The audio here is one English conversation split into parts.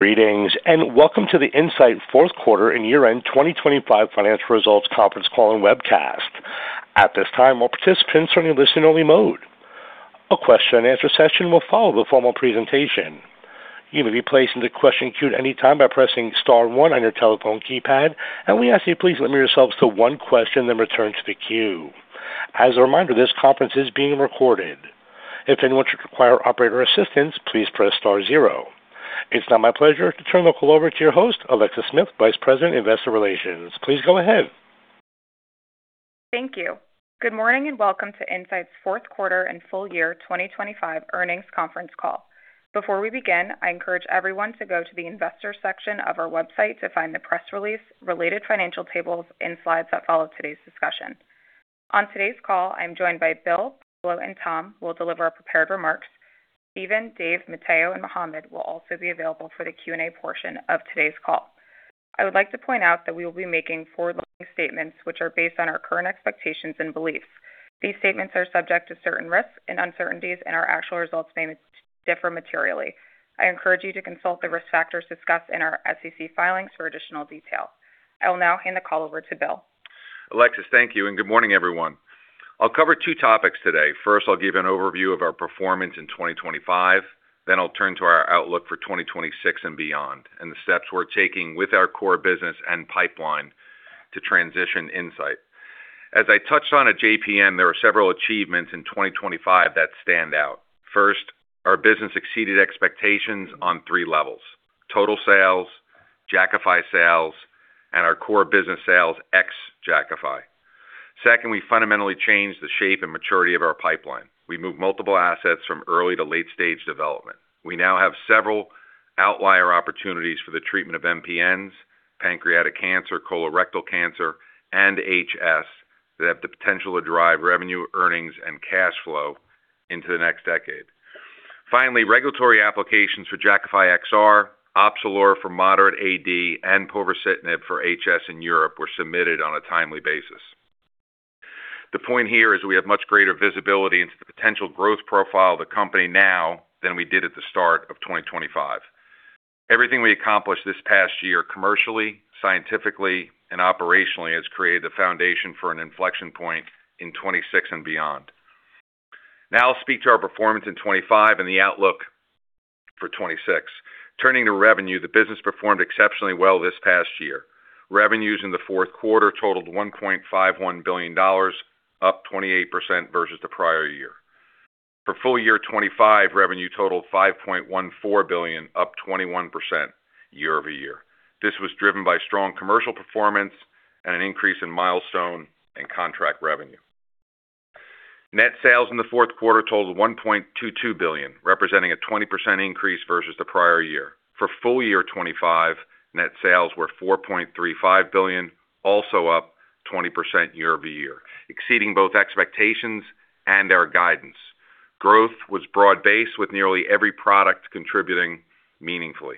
Greetings, and welcome to the Incyte fourth quarter and year-end 2025 Financial Results Conference Call and Webcast. At this time, all participants are in a listen-only mode. A question-and-answer session will follow the formal presentation. You may be placed into question queue at any time by pressing star one on your telephone keypad, and we ask that you please limit yourselves to one question then return to the queue. As a reminder, this conference is being recorded. If anyone should require operator assistance, please press star zero. It's now my pleasure to turn the call over to host, Alexis Smith, Vice President, Investor Relations. Please go ahead. Thank you. Good morning and welcome to Incyte's fourth quarter and full-year 2025 earnings conference call. Before we begin, I encourage everyone to go to the investor section of our website to find the press release, related financial tables, and slides that follow today's discussion. On today's call, I'm joined by Bill, Pablo, and Tom who will deliver prepared remarks. Steven, Dave, Matteo, and Mohamed will also be available for the Q&A portion of today's call. I would like to point out that we will be making forward-looking statements which are based on our current expectations and beliefs. These statements are subject to certain risks and uncertainties, and our actual results may differ materially. I encourage you to consult the risk factors discussed in our SEC filings for additional detail. I will now hand the call over to Bill. Alexis, thank you, and good morning, everyone. I'll cover two topics today. First, I'll give an overview of our performance in 2025, then I'll turn to our outlook for 2026 and beyond and the steps we're taking with our core business and pipeline to transition Incyte. As I touched on at JPM, there are several achievements in 2025 that stand out. First, our business exceeded expectations on three levels: total sales, Jakafi sales, and our core business sales ex-Jakafi. Second, we fundamentally changed the shape and maturity of our pipeline. We moved multiple assets from early to late-stage development. We now have several outlier opportunities for the treatment of MPNs, pancreatic cancer, colorectal cancer, and HS that have the potential to drive revenue, earnings, and cash flow into the next decade. Finally, regulatory applications for Jakafi XR, OPZELURA for moderate AD, and povorcitinib for HS in Europe were submitted on a timely basis. The point here is we have much greater visibility into the potential growth profile of the company now than we did at the start of 2025. Everything we accomplished this past year commercially, scientifically, and operationally has created the foundation for an inflection point in 2026 and beyond. Now I'll speak to our performance in 2025 and the outlook for 2026. Turning to revenue, the business performed exceptionally well this past year. Revenues in the fourth quarter totaled $1.51 billion, up 28% versus the prior year. For full-year 2025, revenue totaled $5.14 billion, up 21% year-over-year. This was driven by strong commercial performance and an increase in milestone and contract revenue. Net sales in the fourth quarter totaled $1.22 billion, representing a 20% increase versus the prior year. For full-year 2025, net sales were $4.35 billion, also up 20% year-over-year, exceeding both expectations and our guidance. Growth was broad-based with nearly every product contributing meaningfully.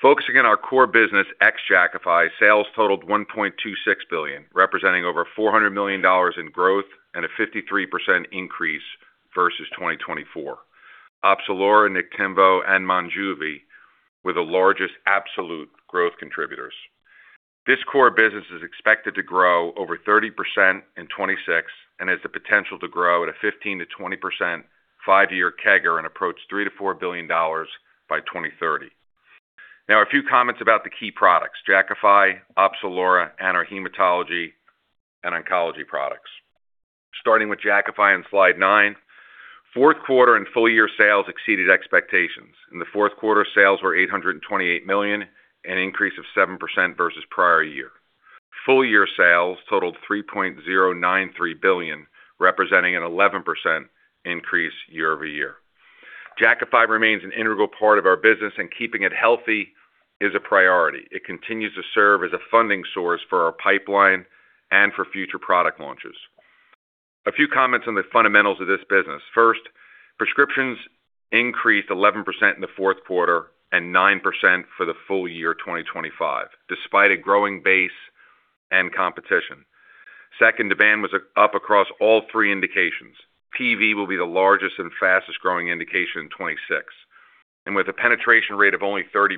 Focusing on our core business ex-Jakafi, sales totaled $1.26 billion, representing over $400 million in growth and a 53% increase versus 2024. OPZELURA and Niktimvo and MONJUVI were the largest absolute growth contributors. This core business is expected to grow over 30% in 2026 and has the potential to grow at a 15%-20% five-year CAGR and approach $3 billion-$4 billion by 2030. Now a few comments about the key products: Jakafi, OPZELURA, and our hematology and oncology products. Starting with Jakafi on Slide 9, fourth quarter and full-year sales exceeded expectations. In the fourth quarter, sales were $828 million, an increase of 7% versus prior year. Full-year sales totaled $3.093 billion, representing an 11% increase year-over-year. Jakafi remains an integral part of our business, and keeping it healthy is a priority. It continues to serve as a funding source for our pipeline and for future product launches. A few comments on the fundamentals of this business. First, prescriptions increased 11% in the fourth quarter and 9% for the full year 2025 despite a growing base and competition. Second, demand was up across all three indications. PV will be the largest and fastest growing indication in 2026. And with a penetration rate of only 30%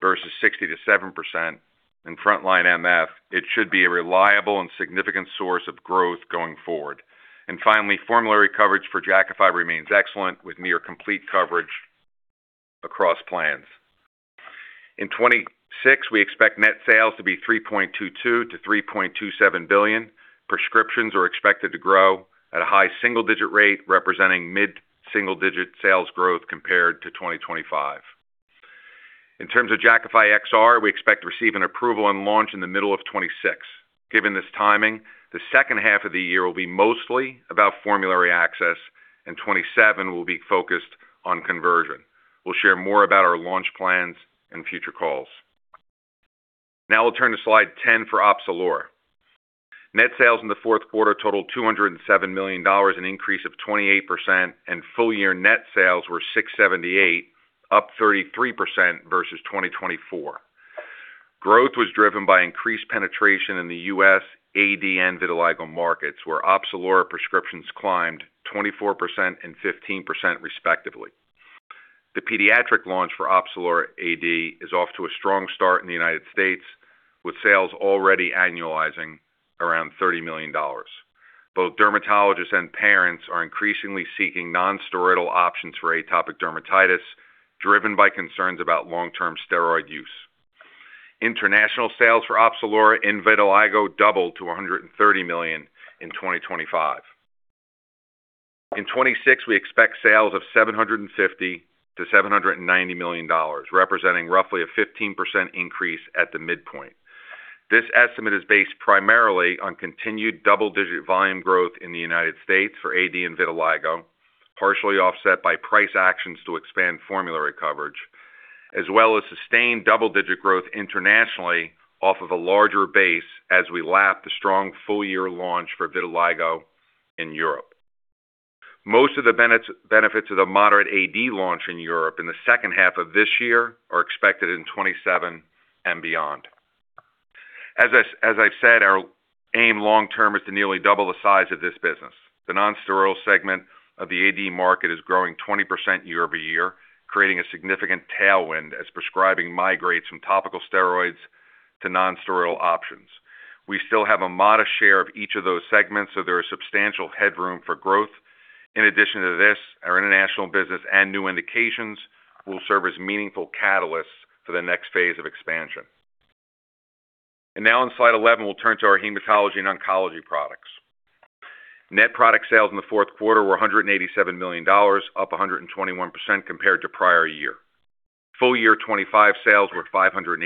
versus 60%-70% in frontline MF, it should be a reliable and significant source of growth going forward. And finally, formulary coverage for Jakafi remains excellent with near-complete coverage across plans. In 2026, we expect net sales to be $3.22 billion-$3.27 billion. Prescriptions are expected to grow at a high single-digit rate, representing mid-single-digit sales growth compared to 2025. In terms of Jakafi XR, we expect to receive an approval and launch in the middle of 2026. Given this timing, the second half of the year will be mostly about formulary access, and 2027 will be focused on conversion. We'll share more about our launch plans and future calls. Now we'll turn to Slide 10 for OPZELURA. Net sales in the fourth quarter totaled $207 million, an increase of 28%, and full-year net sales were $678 million, up 33% versus 2024. Growth was driven by increased penetration in the U.S. AD and vitiligo markets, where OPZELURA prescriptions climbed 24% and 15% respectively. The pediatric launch for OPZELURA AD is off to a strong start in the United States, with sales already annualizing around $30 million. Both dermatologists and parents are increasingly seeking nonsteroidal options for atopic dermatitis driven by concerns about long-term steroid use. International sales for OPZELURA in vitiligo doubled to $130 million in 2025. In 2026, we expect sales of $750 million-$790 million, representing roughly a 15% increase at the midpoint. This estimate is based primarily on continued double-digit volume growth in the United States for AD in vitiligo, partially offset by price actions to expand formulary coverage, as well as sustained double-digit growth internationally off of a larger base as we lap the strong full-year launch for vitiligo in Europe. Most of the benefits of the moderate AD launch in Europe in the second half of this year are expected in 2027 and beyond. As I've said, our aim long-term is to nearly double the size of this business. The nonsteroidal segment of the AD market is growing 20% year-over-year, creating a significant tailwind as prescribing migrates from topical steroids to nonsteroidal options. We still have a modest share of each of those segments, so there is substantial headroom for growth. In addition to this, our international business and new indications will serve as meaningful catalysts for the next phase of expansion. Now on Slide 11, we'll turn to our hematology and oncology products. Net product sales in the fourth quarter were $187 million, up 121% compared to prior year. Full-year 2025 sales were $583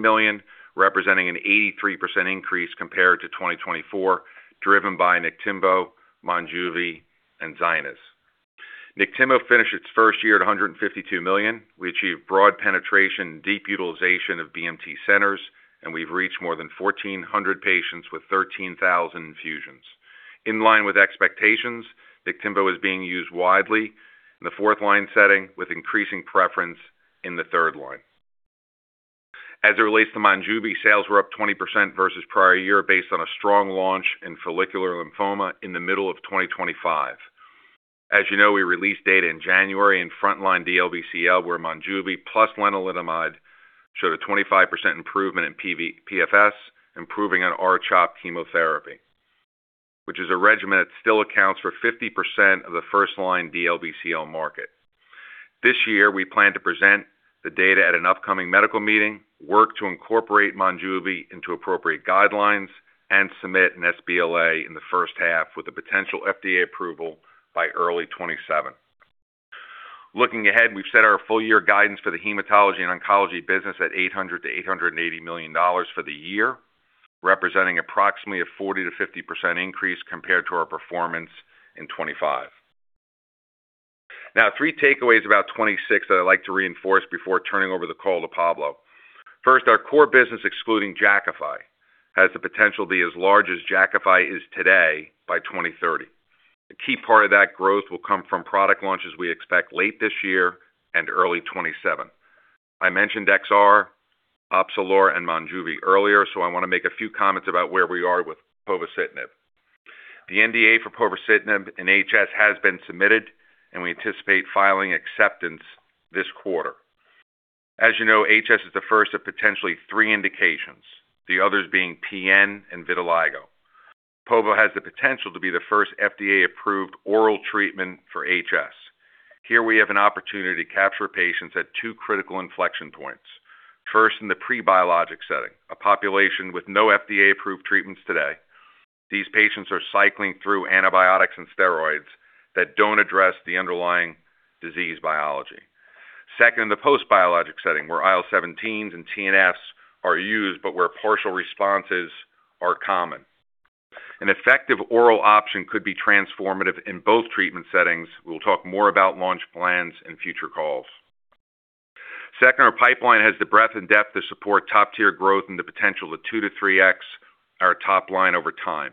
million, representing an 83% increase compared to 2024 driven by Niktimvo, MONJUVI, and ZYNYZ. Niktimvo finished its first year at $152 million. We achieved broad penetration and deep utilization of BMT centers, and we've reached more than 1,400 patients with 13,000 infusions. In line with expectations, Niktimvo is being used widely in the fourth-line setting with increasing preference in the third line. As it relates to MONJUVI, sales were up 20% versus prior year based on a strong launch in follicular lymphoma in the middle of 2025. As you know, we released data in January in frontline DLBCL, where MONJUVI plus lenalidomide showed a 25% improvement in PFS, improving on R-CHOP chemotherapy, which is a regimen that still accounts for 50% of the first-line DLBCL market. This year, we plan to present the data at an upcoming medical meeting, work to incorporate MONJUVI into appropriate guidelines, and submit an sBLA in the first half with the potential FDA approval by early 2027. Looking ahead, we've set our full-year guidance for the hematology and oncology business at $800 million-$880 million for the year, representing approximately a 40%-50% increase compared to our performance in 2025. Now, three takeaways about 2026 that I'd like to reinforce before turning over the call to Pablo. First, our core business excluding Jakafi has the potential to be as large as Jakafi is today by 2030. A key part of that growth will come from product launches we expect late this year and early 2027. I mentioned XR, OPZELURA, and MONJUVI earlier, so I want to make a few comments about where we are with povorcitinib. The NDA for povorcitinib and HS has been submitted, and we anticipate filing acceptance this quarter. As you know, HS is the first of potentially three indications, the others being PN and vitiligo. Povo has the potential to be the first FDA-approved oral treatment for HS. Here, we have an opportunity to capture patients at two critical inflection points. First, in the prebiologic setting, a population with no FDA-approved treatments today. These patients are cycling through antibiotics and steroids that don't address the underlying disease biology. Second, in the postbiologic setting, where IL-17s and TNFs are used but where partial responses are common. An effective oral option could be transformative in both treatment settings. We'll talk more about launch plans in future calls. Second, our pipeline has the breadth and depth to support top-tier growth and the potential to 2x-3x our top line over time.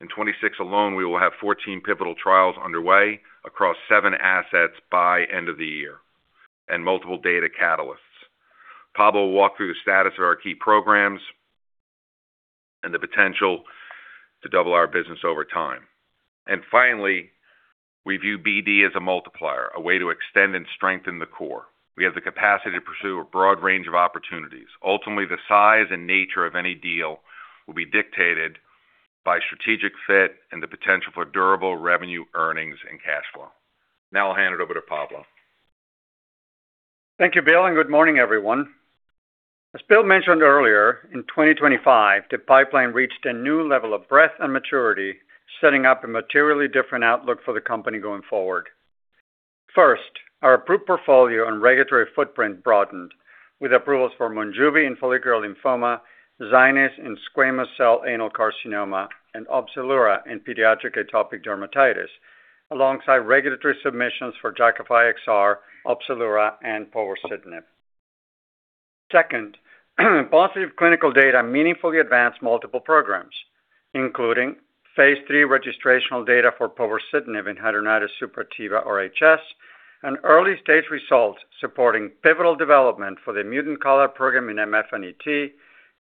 In 2026 alone, we will have 14 pivotal trials underway across seven assets by end of the year and multiple data catalysts. Pablo will walk through the status of our key programs and the potential to double our business over time. Finally, we view BD as a multiplier, a way to extend and strengthen the core. We have the capacity to pursue a broad range of opportunities. Ultimately, the size and nature of any deal will be dictated by strategic fit and the potential for durable revenue earnings and cash flow. Now I'll hand it over to Pablo. Thank you, Bill, and good morning, everyone. As Bill mentioned earlier, in 2025, the pipeline reached a new level of breadth and maturity, setting up a materially different outlook for the company going forward. First, our approved portfolio and regulatory footprint broadened with approvals for MONJUVI in follicular lymphoma, ZYNYZ in squamous cell anal carcinoma, and OPZELURA in pediatric atopic dermatitis, alongside regulatory submissions for Jakafi XR, OPZELURA, and povorcitinib. Second, positive clinical data meaningfully advanced multiple programs, including Phase III registrational data for povorcitinib in hidradenitis suppurativa or HS, and early-stage results supporting pivotal development for the mutant CALR program in MF and ET,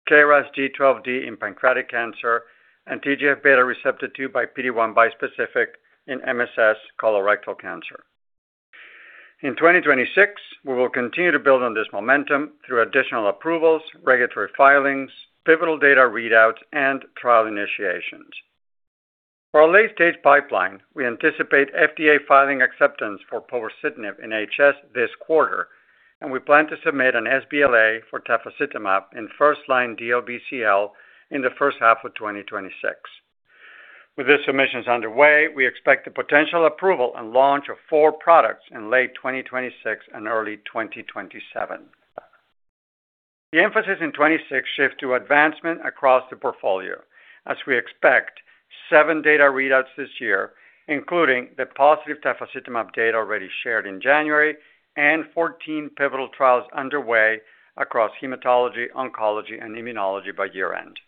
KRAS G12D in pancreatic TGF-beta receptor 2 by PD-1 bispecific in MSS colorectal cancer. In 2026, we will continue to build on this momentum through additional approvals, regulatory filings, pivotal data readouts, and trial initiations. For our late-stage pipeline, we anticipate FDA filing acceptance for povorcitinib in HS this quarter, and we plan to submit an sBLA for tafasitamab in first-line DLBCL in the first half of 2026. With the submissions underway, we expect the potential approval and launch of four products in late 2026 and early 2027. The emphasis in 2026 shifts to advancement across the portfolio, as we expect seven data readouts this year, including the positive tafasitamab data already shared in January and 14 pivotal trials underway across hematology, oncology, and immunology by year-end.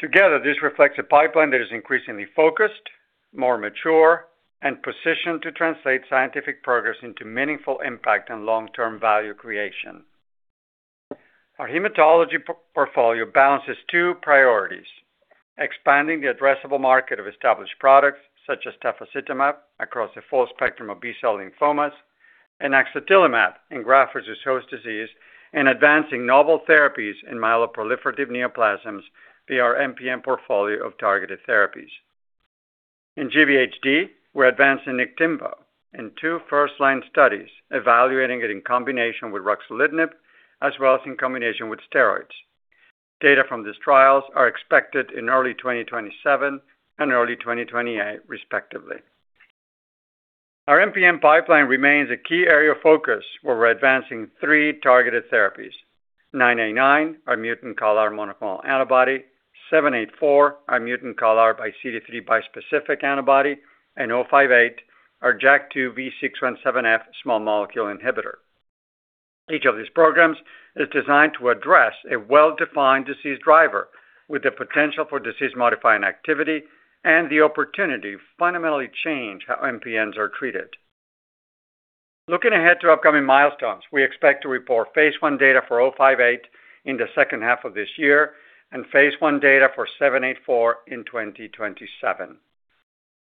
Together, this reflects a pipeline that is increasingly focused, more mature, and positioned to translate scientific progress into meaningful impact and long-term value creation. Our hematology portfolio balances two priorities: expanding the addressable market of established products such as tafasitamab across a full spectrum of B-cell lymphomas and axatilimab in graft-versus-host disease, and advancing novel therapies in myeloproliferative neoplasms via our MPN portfolio of targeted therapies. In GVHD, we're advancing Niktimvo in two first-line studies, evaluating it in combination with ruxolitinib as well as in combination with steroids. Data from these trials are expected in early 2027 and early 2028, respectively. Our MPN pipeline remains a key area of focus where we're advancing three targeted therapies: 989, our mutant CALR monoclonal antibody; 784, our mutant CALR x CD3 bispecific antibody; and 058, our JAK2 V617F small molecule inhibitor. Each of these programs is designed to address a well-defined disease driver with the potential for disease-modifying activity and the opportunity to fundamentally change how MPNs are treated. Looking ahead to upcoming milestones, we expect to report Phase I data for 058 in the second half of this year and Phase I data for 784 in 2027.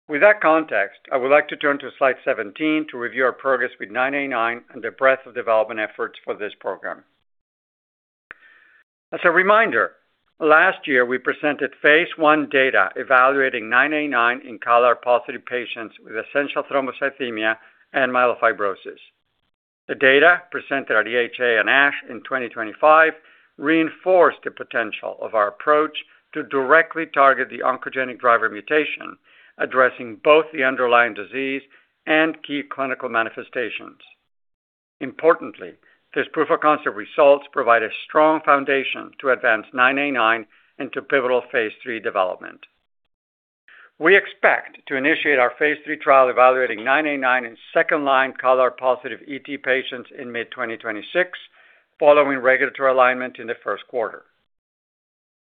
With that context, I would like to turn to Slide 17 to review our progress with 989 and the breadth of development efforts for this program. As a reminder, last year, we presented Phase I data evaluating 989 in CALR-positive patients with essential thrombocythemia and myelofibrosis. The data presented at EHA and ASH in 2025 reinforced the potential of our approach to directly target the oncogenic driver mutation, addressing both the underlying disease and key clinical manifestations. Importantly, these proof-of-concept results provide a strong foundation to advance 989 and to pivotal Phase III development. We expect to initiate our Phase III trial evaluating 989 in second-line CALR-positive ET patients in mid-2026, following regulatory alignment in the first quarter.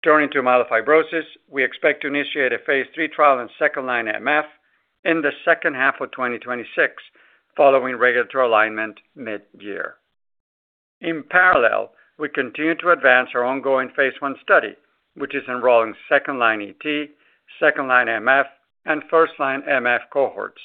Turning to myelofibrosis, we expect to initiate a Phase III trial in second-line MF in the second half of 2026, following regulatory alignment mid-year. In parallel, we continue to advance our ongoing Phase I study, which is enrolling second-line ET, second-line MF, and first-line MF cohorts.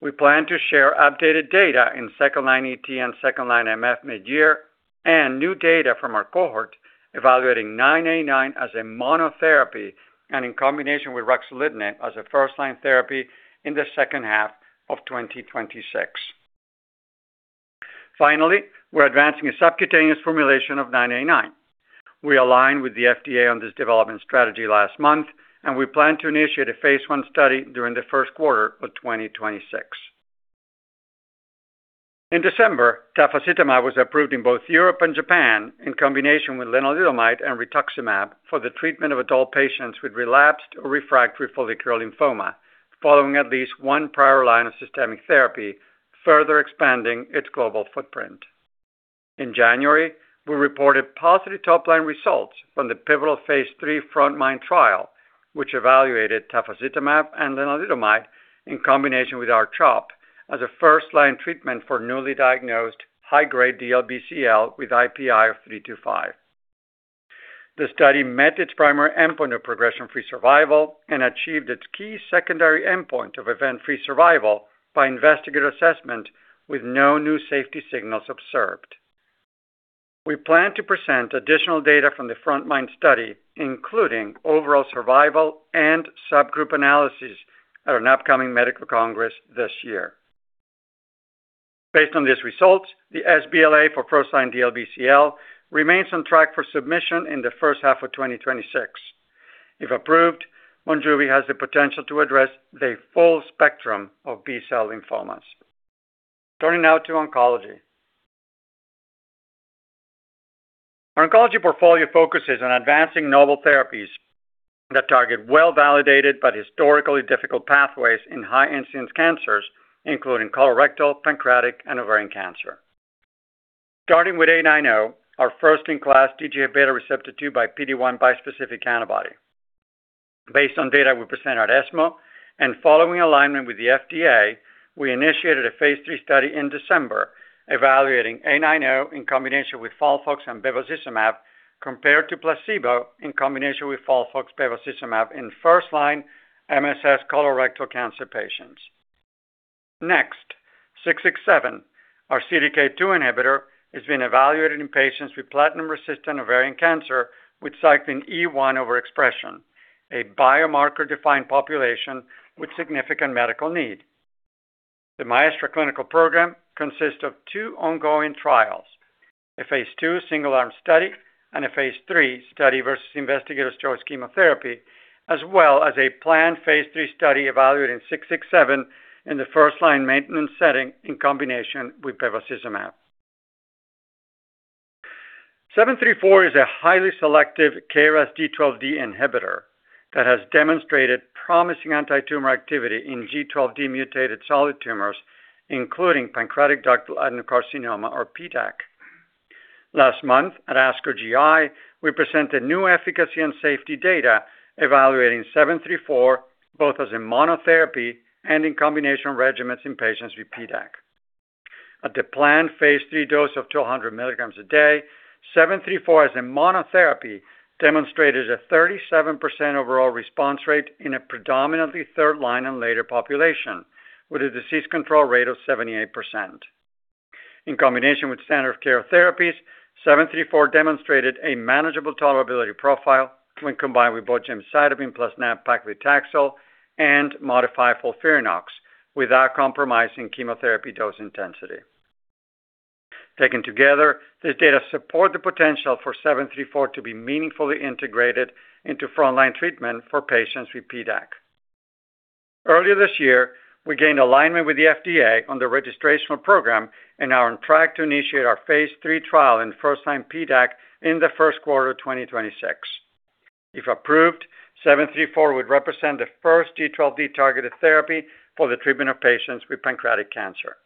We plan to share updated data in second-line ET and second-line MF mid-year and new data from our cohort evaluating 989 as a monotherapy and in combination with ruxolitinib as a first-line therapy in the second half of 2026. Finally, we're advancing a subcutaneous formulation of 989. We aligned with the FDA on this development strategy last month, and we plan to initiate a Phase I study during the first quarter of 2026. In December, tafasitamab was approved in both Europe and Japan in combination with lenalidomide and rituximab for the treatment of adult patients with relapsed or refractory follicular lymphoma, following at least one prior line of systemic therapy, further expanding its global footprint. In January, we reported positive top-line results from the pivotal Phase III frontline trial, which evaluated tafasitamab and lenalidomide in combination with R-CHOP as a first-line treatment for newly diagnosed high-grade DLBCL with IPI of 3-5. The study met its primary endpoint of progression-free survival and achieved its key secondary endpoint of event-free survival by investigator assessment with no new safety signals observed. We plan to present additional data from the frontline study, including overall survival and subgroup analyses, at an upcoming medical congress this year. Based on these results, the sBLA for first-line DLBCL remains on track for submission in the first half of 2026. If approved, MONJUVI has the potential to address the full spectrum of B-cell lymphomas. Turning now to oncology. Our oncology portfolio focuses on advancing novel therapies that target well-validated but historically difficult pathways in high-incidence cancers, including colorectal, pancreatic, and ovarian cancer. Starting with A90, TGF-beta receptor 2 by PD-1 bispecific antibody. Based on data we present at ESMO and following alignment with the FDA, we initiated a Phase III study in December evaluating A90 in combination with FOLFOX and bevacizumab compared to placebo in combination with FOLFOX, bevacizumab in first-line MSS colorectal cancer patients. Next, 667, our CDK2 inhibitor, has been evaluated in patients with platinum-resistant ovarian cancer with cyclin E1 overexpression, a biomarker-defined population with significant medical need. The MAESTRA clinical program consists of two ongoing trials: a Phase II single-arm study and a Phase III study versus investigator's choice chemotherapy, as well as a planned Phase III study evaluating 667 in the first-line maintenance setting in combination with bevacizumab. 734 is a highly selective KRAS G12D inhibitor that has demonstrated promising anti-tumor activity in G12D mutated solid tumors, including pancreatic ductal adenocarcinoma or PDAC. Last month, at ASCO GI, we presented new efficacy and safety data evaluating 734 both as a monotherapy and in combination regimens in patients with PDAC. At the planned Phase III dose of 200 mg a day, 734 as a monotherapy demonstrated a 37% overall response rate in a predominantly third-line and later population, with a disease control rate of 78%. In combination with standard of care therapies, 734 demonstrated a manageable tolerability profile when combined with gemcitabine plus nab-paclitaxel and modified FOLFIRINOX without compromising chemotherapy dose intensity. Taken together, these data support the potential for 734 to be meaningfully integrated into frontline treatment for patients with PDAC. Earlier this year, we gained alignment with the FDA on the registrational program and are on track to initiate our Phase III trial in first-line PDAC in the first quarter of 2026. If approved, 734 would represent the first G12D targeted therapy for the treatment of patients with pancreatic cancer.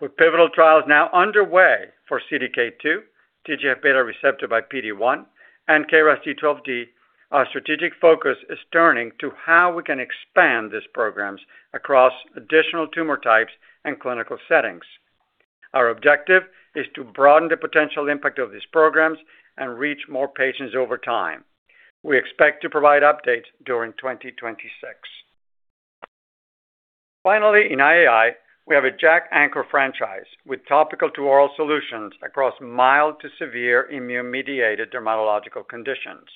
With pivotal trials now underway for CDK2, TGF-beta receptor/PD-1, and KRAS G12D, our strategic focus is turning to how we can expand these programs across additional tumor types and clinical settings. Our objective is to broaden the potential impact of these programs and reach more patients over time. We expect to provide updates during 2026. Finally, in IAI, we have a JAK anchor franchise with topical to oral solutions across mild to severe immune-mediated dermatological conditions.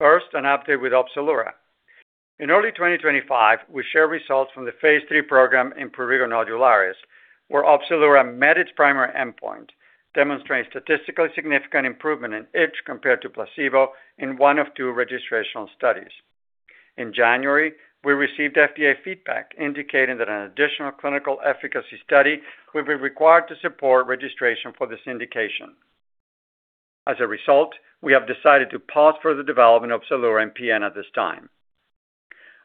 First, an update with OPZELURA. In early 2025, we shared results from the Phase III program in prurigo nodularis, where OPZELURA met its primary endpoint, demonstrating statistically significant improvement in itch compared to placebo in one of two registrational studies. In January, we received FDA feedback indicating that an additional clinical efficacy study would be required to support registration for this indication. As a result, we have decided to pause further development of OPZELURA in PN at this time.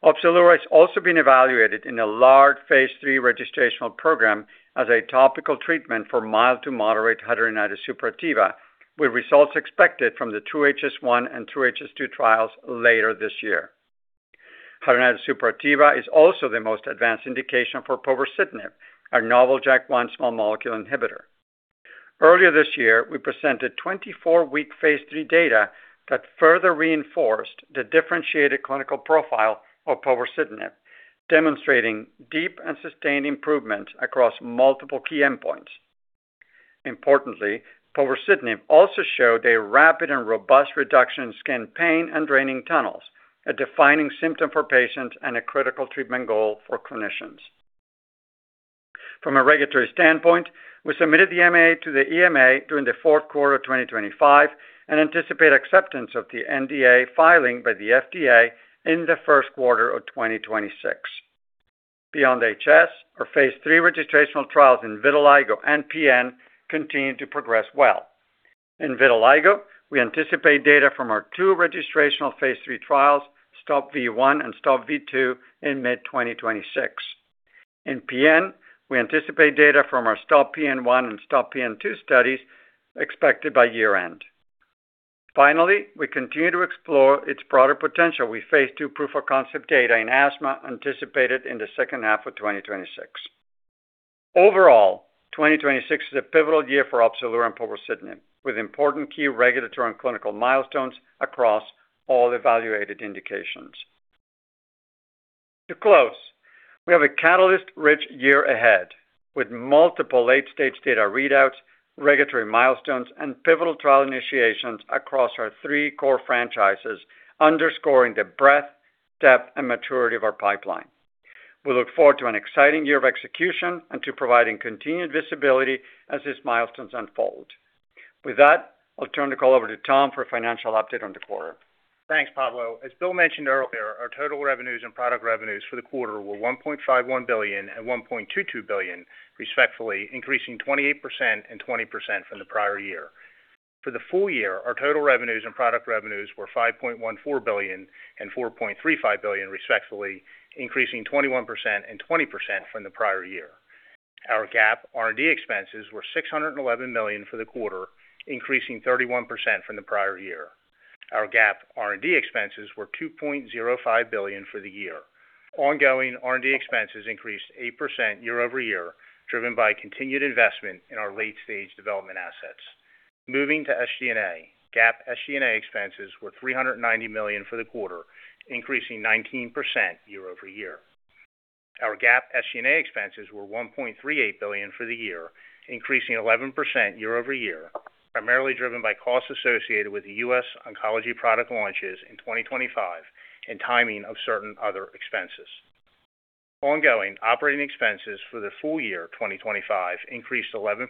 OPZELURA has also been evaluated in a large Phase III registrational program as a topical treatment for mild to moderate hidradenitis suppurativa, with results expected from the 2HS1 and 2HS2 trials later this year. Hidradenitis suppurativa is also the most advanced indication for povorcitinib, our novel JAK1 small molecule inhibitor. Earlier this year, we presented 24-week Phase III data that further reinforced the differentiated clinical profile of povorcitinib, demonstrating deep and sustained improvements across multiple key endpoints. Importantly, povorcitinib also showed a rapid and robust reduction in skin pain and draining tunnels, a defining symptom for patients and a critical treatment goal for clinicians. From a regulatory standpoint, we submitted the MAA to the EMA during the fourth quarter of 2025 and anticipate acceptance of the NDA filing by the FDA in the first quarter of 2026. Beyond HS, our Phase III registrational trials in vitiligo and PN continue to progress well. In vitiligo, we anticipate data from our two registrational Phase III trials, STOP-V1 and STOP-V2, in mid-2026. In PN, we anticipate data from our STOP-PN1 and STOP-PN2 studies expected by year-end. Finally, we continue to explore its broader potential with Phase II proof-of-concept data in asthma anticipated in the second half of 2026. Overall, 2026 is a pivotal year for OPZELURA and povorcitinib, with important key regulatory and clinical milestones across all evaluated indications. To close, we have a catalyst-rich year ahead with multiple late-stage data readouts, regulatory milestones, and pivotal trial initiations across our three core franchises, underscoring the breadth, depth, and maturity of our pipeline. We look forward to an exciting year of execution and to providing continued visibility as these milestones unfold. With that, I'll turn the call over to Tom for a financial update on the quarter. Thanks, Pablo. As Bill mentioned earlier, our total revenues and product revenues for the quarter were $1.51 billion and $1.22 billion, respectively, increasing 28% and 20% from the prior year. For the full year, our total revenues and product revenues were $5.14 billion and $4.35 billion, respectively, increasing 21% and 20% from the prior year. Our GAAP R&D expenses were $611 million for the quarter, increasing 31% from the prior year. Our GAAP R&D expenses were $2.05 billion for the year. Ongoing R&D expenses increased 8% year-over-year, driven by continued investment in our late-stage development assets. Moving to SG&A, GAAP SG&A expenses were $390 million for the quarter, increasing 19% year-over-year. Our GAAP SG&A expenses were $1.38 billion for the year, increasing 11% year-over-year, primarily driven by costs associated with U.S. oncology product launches in 2025 and timing of certain other expenses. Ongoing operating expenses for the full year 2025 increased 11%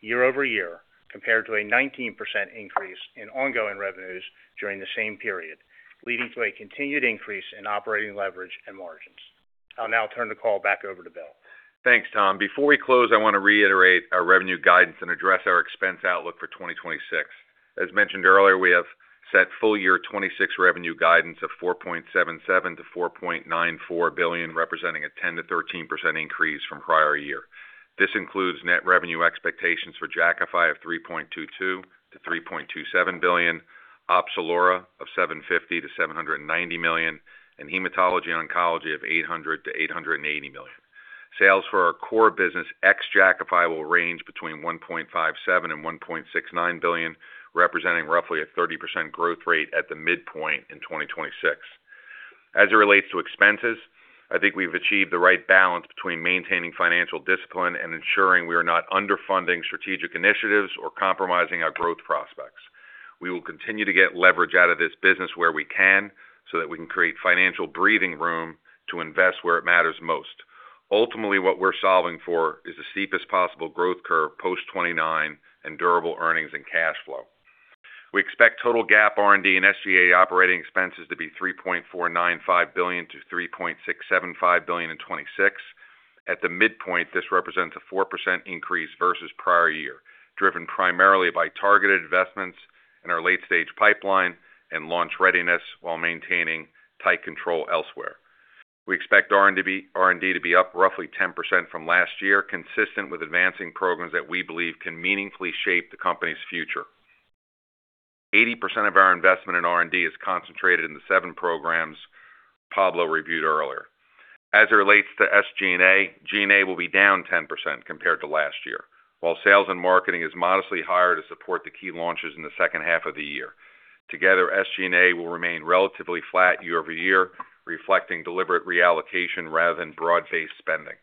year-over-year compared to a 19% increase in ongoing revenues during the same period, leading to a continued increase in operating leverage and margins. I'll now turn the call back over to Bill. Thanks, Tom. Before we close, I want to reiterate our revenue guidance and address our expense outlook for 2026. As mentioned earlier, we have set full-year 2026 revenue guidance of $4.77 billion-$4.94 billion, representing a 10%-13% increase from prior year. This includes net revenue expectations for Jakafi of $3.22 billion-$3.27 billion, OPZELURA of $750 million-$790 million, and hematology oncology of $800 million-$880 million. Sales for our core business ex-Jakafi will range between $1.57 billion and $1.69 billion, representing roughly a 30% growth rate at the midpoint in 2026. As it relates to expenses, I think we've achieved the right balance between maintaining financial discipline and ensuring we are not underfunding strategic initiatives or compromising our growth prospects. We will continue to get leverage out of this business where we can so that we can create financial breathing room to invest where it matters most. Ultimately, what we're solving for is the steepest possible growth curve post 2029 and durable earnings and cash flow. We expect total GAAP R&D and SG&A operating expenses to be $3.495 billion-$3.675 billion in 2026. At the midpoint, this represents a 4% increase versus prior year, driven primarily by targeted investments in our late-stage pipeline and launch readiness while maintaining tight control elsewhere. We expect R&D to be up roughly 10% from last year, consistent with advancing programs that we believe can meaningfully shape the company's future. 80% of our investment in R&D is concentrated in the seven programs Pablo reviewed earlier. As it relates to SG&A, G&A will be down 10% compared to last year, while sales and marketing are modestly higher to support the key launches in the second half of the year. Together, SG&A will remain relatively flat year-over-year, reflecting deliberate reallocation rather than broad-based spending.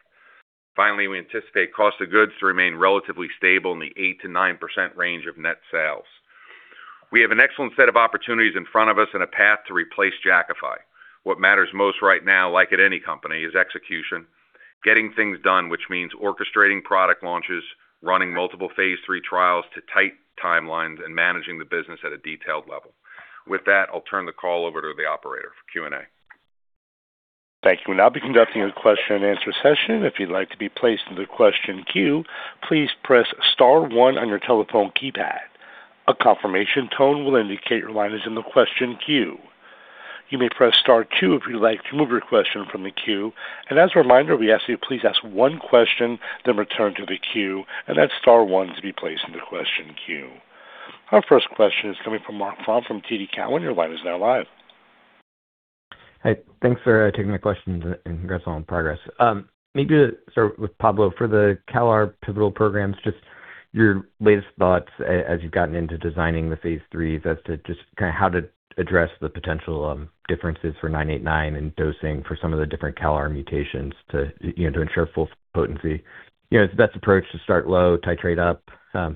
Finally, we anticipate cost of goods to remain relatively stable in the 8%-9% range of net sales. We have an excellent set of opportunities in front of us and a path to replace Jakafi. What matters most right now, like at any company, is execution, getting things done, which means orchestrating product launches, running multiple Phase III trials to tight timelines, and managing the business at a detailed level. With that, I'll turn the call over to the operator for Q&A. Thank you. We'll now be conducting a question-and-answer session. If you'd like to be placed in the question queue, please press star one on your telephone keypad. A confirmation tone will indicate your line is in the question queue. You may press star two if you'd like to remove your question from the queue. And as a reminder, we ask that you please ask one question, then return to the queue, and that's star one to be placed in the question queue. Our first question is coming from Marc Frahm from TD Cowen. Your line is now live. Hey. Thanks for taking my questions, and congrats on all the progress. Maybe to start with Pablo, for the CALR pivotal programs, just your latest thoughts as you've gotten into designing the Phase IIIs as to just kind of how to address the potential differences for 989 and dosing for some of the different CALR mutations to ensure full potency. Is the best approach to start low, titrate up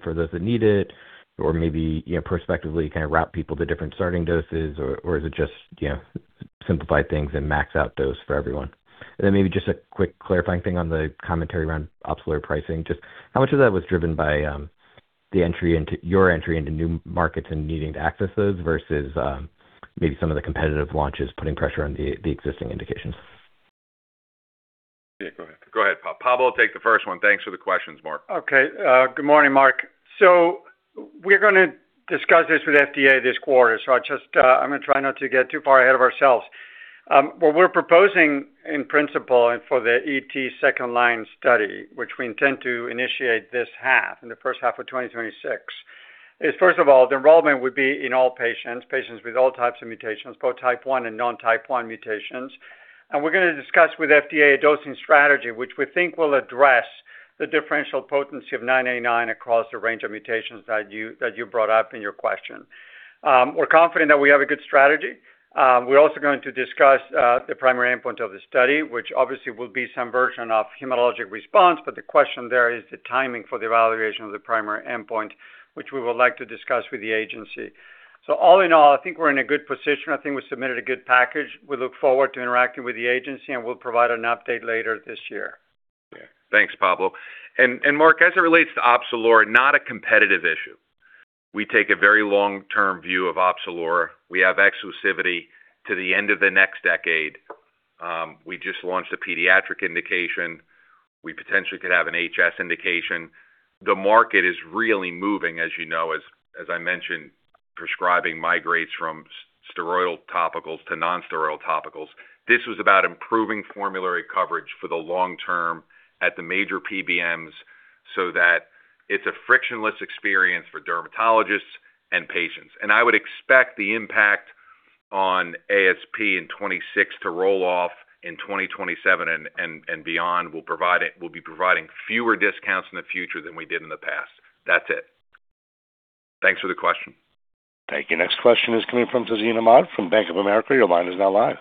for those that need it, or maybe prospectively kind of route people to different starting doses, or is it just simplify things and max out dose for everyone? And then maybe just a quick clarifying thing on the commentary around OPZELURA pricing. Just how much of that was driven by your entry into new markets and needing to access those versus maybe some of the competitive launches putting pressure on the existing indications? Yeah. Go ahead. Go ahead, Pablo. Pablo, take the first one. Thanks for the questions, Marc. Okay. Good morning, Marc. So we're going to discuss this with the FDA this quarter, so I'm going to try not to get too far ahead of ourselves. What we're proposing, in principle, for the ET second-line study, which we intend to initiate this half, in the first half of 2026, is, first of all, the involvement would be in all patients, patients with all types of mutations, both type one and non-type one mutations. And we're going to discuss with the FDA a dosing strategy which we think will address the differential potency of 989 across the range of mutations that you brought up in your question. We're confident that we have a good strategy. We're also going to discuss the primary endpoint of the study, which obviously will be some version of hematologic response, but the question there is the timing for the evaluation of the primary endpoint, which we would like to discuss with the agency. So all in all, I think we're in a good position. I think we submitted a good package. We look forward to interacting with the agency, and we'll provide an update later this year. Yeah. Thanks, Pablo. And Marc, as it relates to OPZELURA, not a competitive issue. We take a very long-term view of OPZELURA. We have exclusivity to the end of the next decade. We just launched a pediatric indication. We potentially could have an HS indication. The market is really moving, as you know, as I mentioned, prescribing migrates from steroidal topicals to non-steroidal topicals. This was about improving formulary coverage for the long term at the major PBMs so that it's a frictionless experience for dermatologists and patients. And I would expect the impact on ASP in 2026 to roll off in 2027 and beyond will be providing fewer discounts in the future than we did in the past. That's it. Thanks for the question. Thank you. Next question is coming from Tazeen Ahmad from Bank of America. Your line is now live.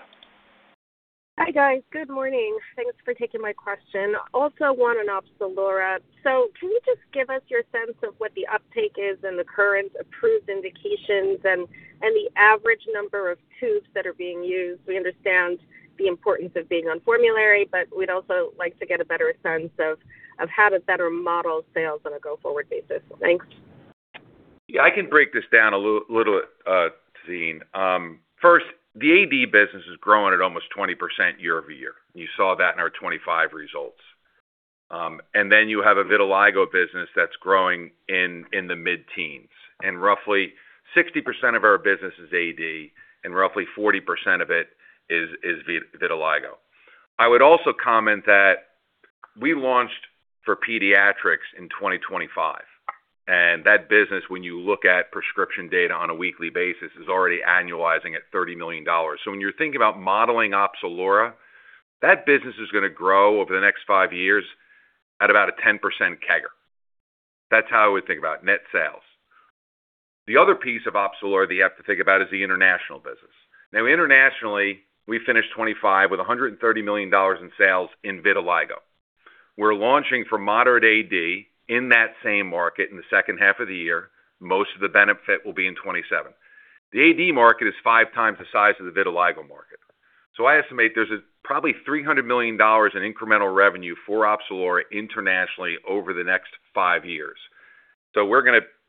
Hi, guys. Good morning. Thanks for taking my question. Also one on OPZELURA. So can you just give us your sense of what the uptake is and the current approved indications and the average number of tubes that are being used? We understand the importance of being on formulary, but we'd also like to get a better sense of how to better model sales on a go-forward basis. Thanks. Yeah. I can break this down a little bit, Tazeen. First, the AD business is growing at almost 20% year-over-year. You saw that in our 2025 results. Then you have a vitiligo business that's growing in the mid-teens. And roughly 60% of our business is AD, and roughly 40% of it is vitiligo. I would also comment that we launched for pediatrics in 2025, and that business, when you look at prescription data on a weekly basis, is already annualizing at $30 million. So when you're thinking about modeling OPZELURA, that business is going to grow over the next five years at about a 10% CAGR. That's how I would think about net sales. The other piece of OPZELURA that you have to think about is the international business. Now, internationally, we finished 2025 with $130 million in sales in vitiligo. We're launching for moderate AD in that same market in the second half of the year. Most of the benefit will be in 2027. The AD market is five times the size of the vitiligo market. So I estimate there's probably $300 million in incremental revenue for OPZELURA internationally over the next five years. So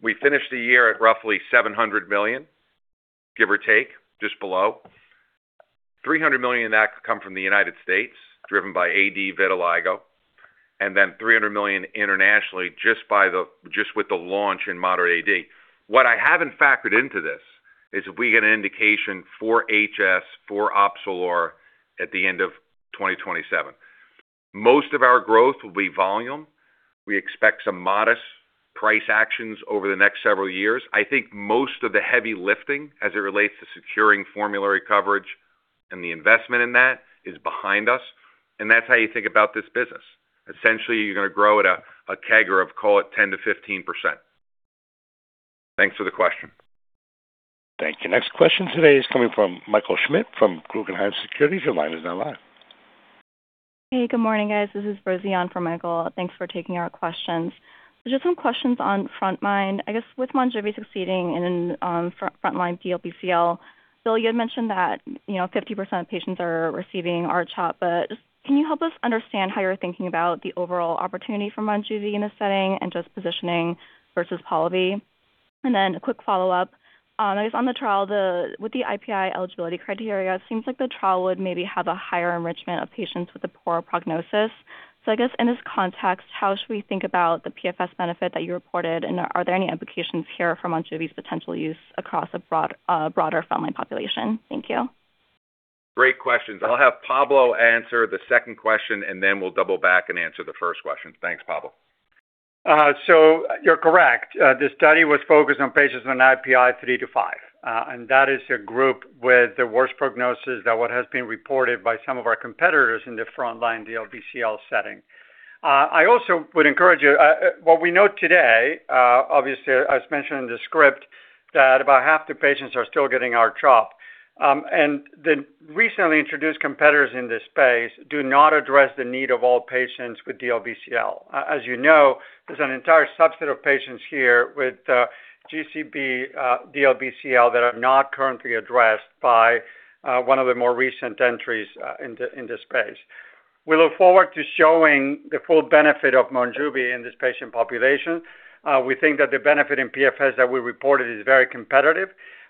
we finished the year at roughly $700 million, give or take, just below. $300 million of that could come from the United States, driven by AD vitiligo, and then $300 million internationally just with the launch in moderate AD. What I haven't factored into this is if we get an indication for HS, for OPZELURA at the end of 2027. Most of our growth will be volume. We expect some modest price actions over the next several years. I think most of the heavy lifting as it relates to securing formulary coverage and the investment in that is behind us. That's how you think about this business. Essentially, you're going to grow at a CAGR of, call it, 10%-15%. Thanks for the question. Thank you. Next question today is coming from Michael Schmidt from Guggenheim Securities. Your line is now live. Hey. Good morning, guys. This is Rosemary from Michael. Thanks for taking our questions. So just some questions on front-line. I guess with MONJUVI succeeding in front-line DLBCL, Bill, you had mentioned that 50% of patients are receiving R-CHOP, but can you help us understand how you're thinking about the overall opportunity for MONJUVI in this setting and just positioning versus Polivy? And then a quick follow-up. I guess on the trial, with the IPI eligibility criteria, it seems like the trial would maybe have a higher enrichment of patients with a poorer prognosis. So I guess in this context, how should we think about the PFS benefit that you reported, and are there any implications here for MONJUVI's potential use across a broader front-line population? Thank you. Great questions. I'll have Pablo answer the second question, and then we'll double back and answer the first questions. Thanks, Pablo. So you're correct. This study was focused on patients on IPI 3-5, and that is a group with the worst prognosis than what has been reported by some of our competitors in the front-line DLBCL setting. I also would encourage you what we note today, obviously, as mentioned in the script, that about half the patients are still getting R-CHOP. And the recently introduced competitors in this space do not address the need of all patients with DLBCL. As you know, there's an entire subset of patients here with GCB DLBCL that are not currently addressed by one of the more recent entries in this space. We look forward to showing the full benefit of MONJUVI in this patient population. We think that the benefit in PFS that we reported is very competitive.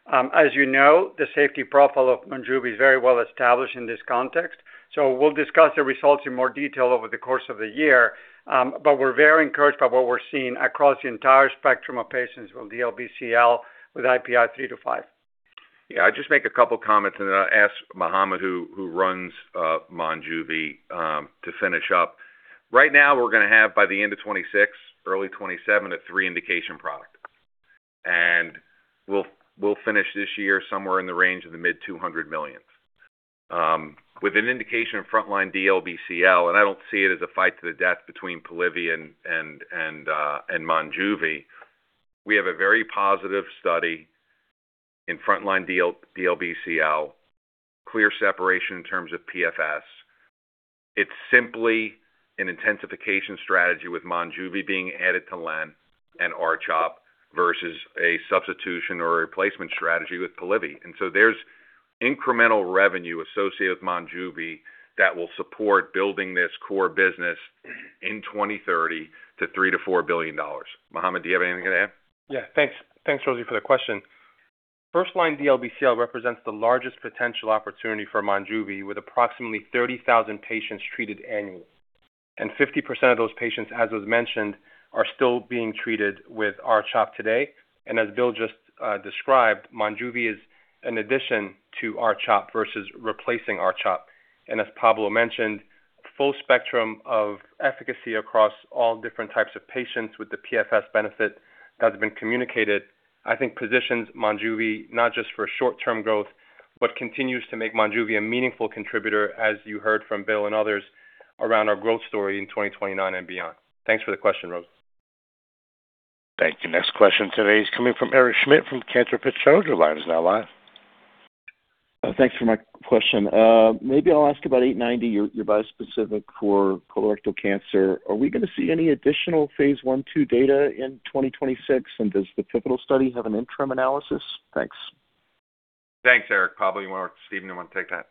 As you know, the safety profile of MONJUVI is very well established in this context. We'll discuss the results in more detail over the course of the year, but we're very encouraged by what we're seeing across the entire spectrum of patients with DLBCL with IPI 3-5. Yeah. I'll just make a couple of comments, and then I'll ask Mohamed, who runs MONJUVI, to finish up. Right now, we're going to have, by the end of 2026, early 2027, a three-indication product. And we'll finish this year somewhere in the range of the mid-$200 million. With an indication of front-line DLBCL, and I don't see it as a fight to the death between Polivy and MONJUVI, we have a very positive study in front-line DLBCL, clear separation in terms of PFS. It's simply an intensification strategy with MONJUVI being added to LEN and R-CHOP versus a substitution or a replacement strategy with Polivy. And so there's incremental revenue associated with MONJUVI that will support building this core business in 2030 to $3 billion-$4 billion. Mohamed, do you have anything to add? Yeah. Thanks, Rosie, for the question. First-line DLBCL represents the largest potential opportunity for MONJUVI with approximately 30,000 patients treated annually. And 50% of those patients, as was mentioned, are still being treated with R-CHOP today. And as Bill just described, MONJUVI is an addition to R-CHOP versus replacing R-CHOP. And as Pablo mentioned, full spectrum of efficacy across all different types of patients with the PFS benefit that's been communicated, I think, positions MONJUVI not just for short-term growth but continues to make MONJUVI a meaningful contributor, as you heard from Bill and others, around our growth story in 2029 and beyond. Thanks for the question, Rose. Thank you. Next question today is coming from Eric Schmidt from Cantor Fitzgerald. Your line is now live. Thanks for my question. Maybe I'll ask about 890. You're bispecific for colorectal cancer. Are we going to see any additional Phase I/II data in 2026, and does the pivotal study have an interim analysis? Thanks. Thanks, Eric. Pablo, you want to work with Steven, and you want to take that?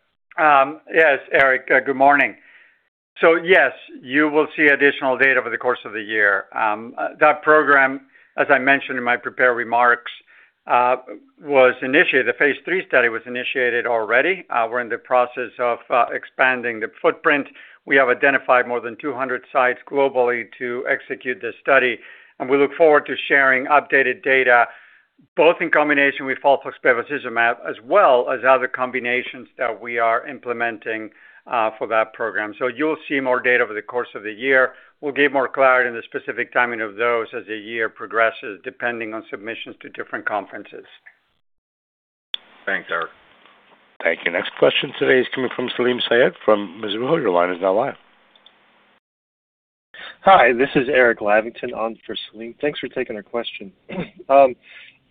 Yes, Eric. Good morning. So yes, you will see additional data over the course of the year. That program, as I mentioned in my prepared remarks, was initiated. The Phase III study was initiated already. We're in the process of expanding the footprint. We have identified more than 200 sites globally to execute this study, and we look forward to sharing updated data both in combination with FOLFOX bevacizumab as well as other combinations that we are implementing for that program. So you'll see more data over the course of the year. We'll give more clarity in the specific timing of those as the year progresses, depending on submissions to different conferences. Thanks, Eric. Thank you. Next question today is coming from Salim Syed from Mizuho. Your line is now live. Hi. This is Erik Lavington on for Salim. Thanks for taking our question. I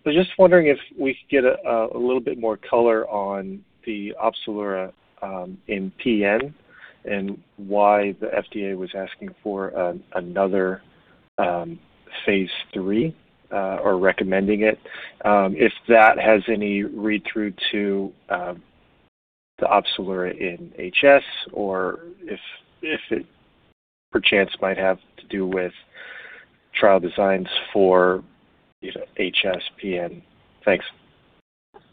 was just wondering if we could get a little bit more color on the OPZELURA in PN and why the FDA was asking for another Phase III or recommending it, if that has any read-through to the OPZELURA in HS or if it, per chance, might have to do with trial designs for HS, PN. Thanks.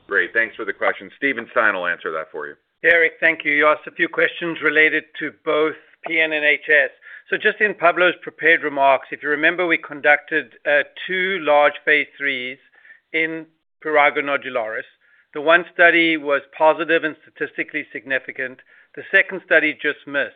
Great. Thanks for the question. Steven Stein will answer that for you. Erik, thank you. You asked a few questions related to both PN and HS. So just in Pablo's prepared remarks, if you remember, we conducted two large Phase IIIs in prurigo nodularis. The one study was positive and statistically significant. The second study just missed.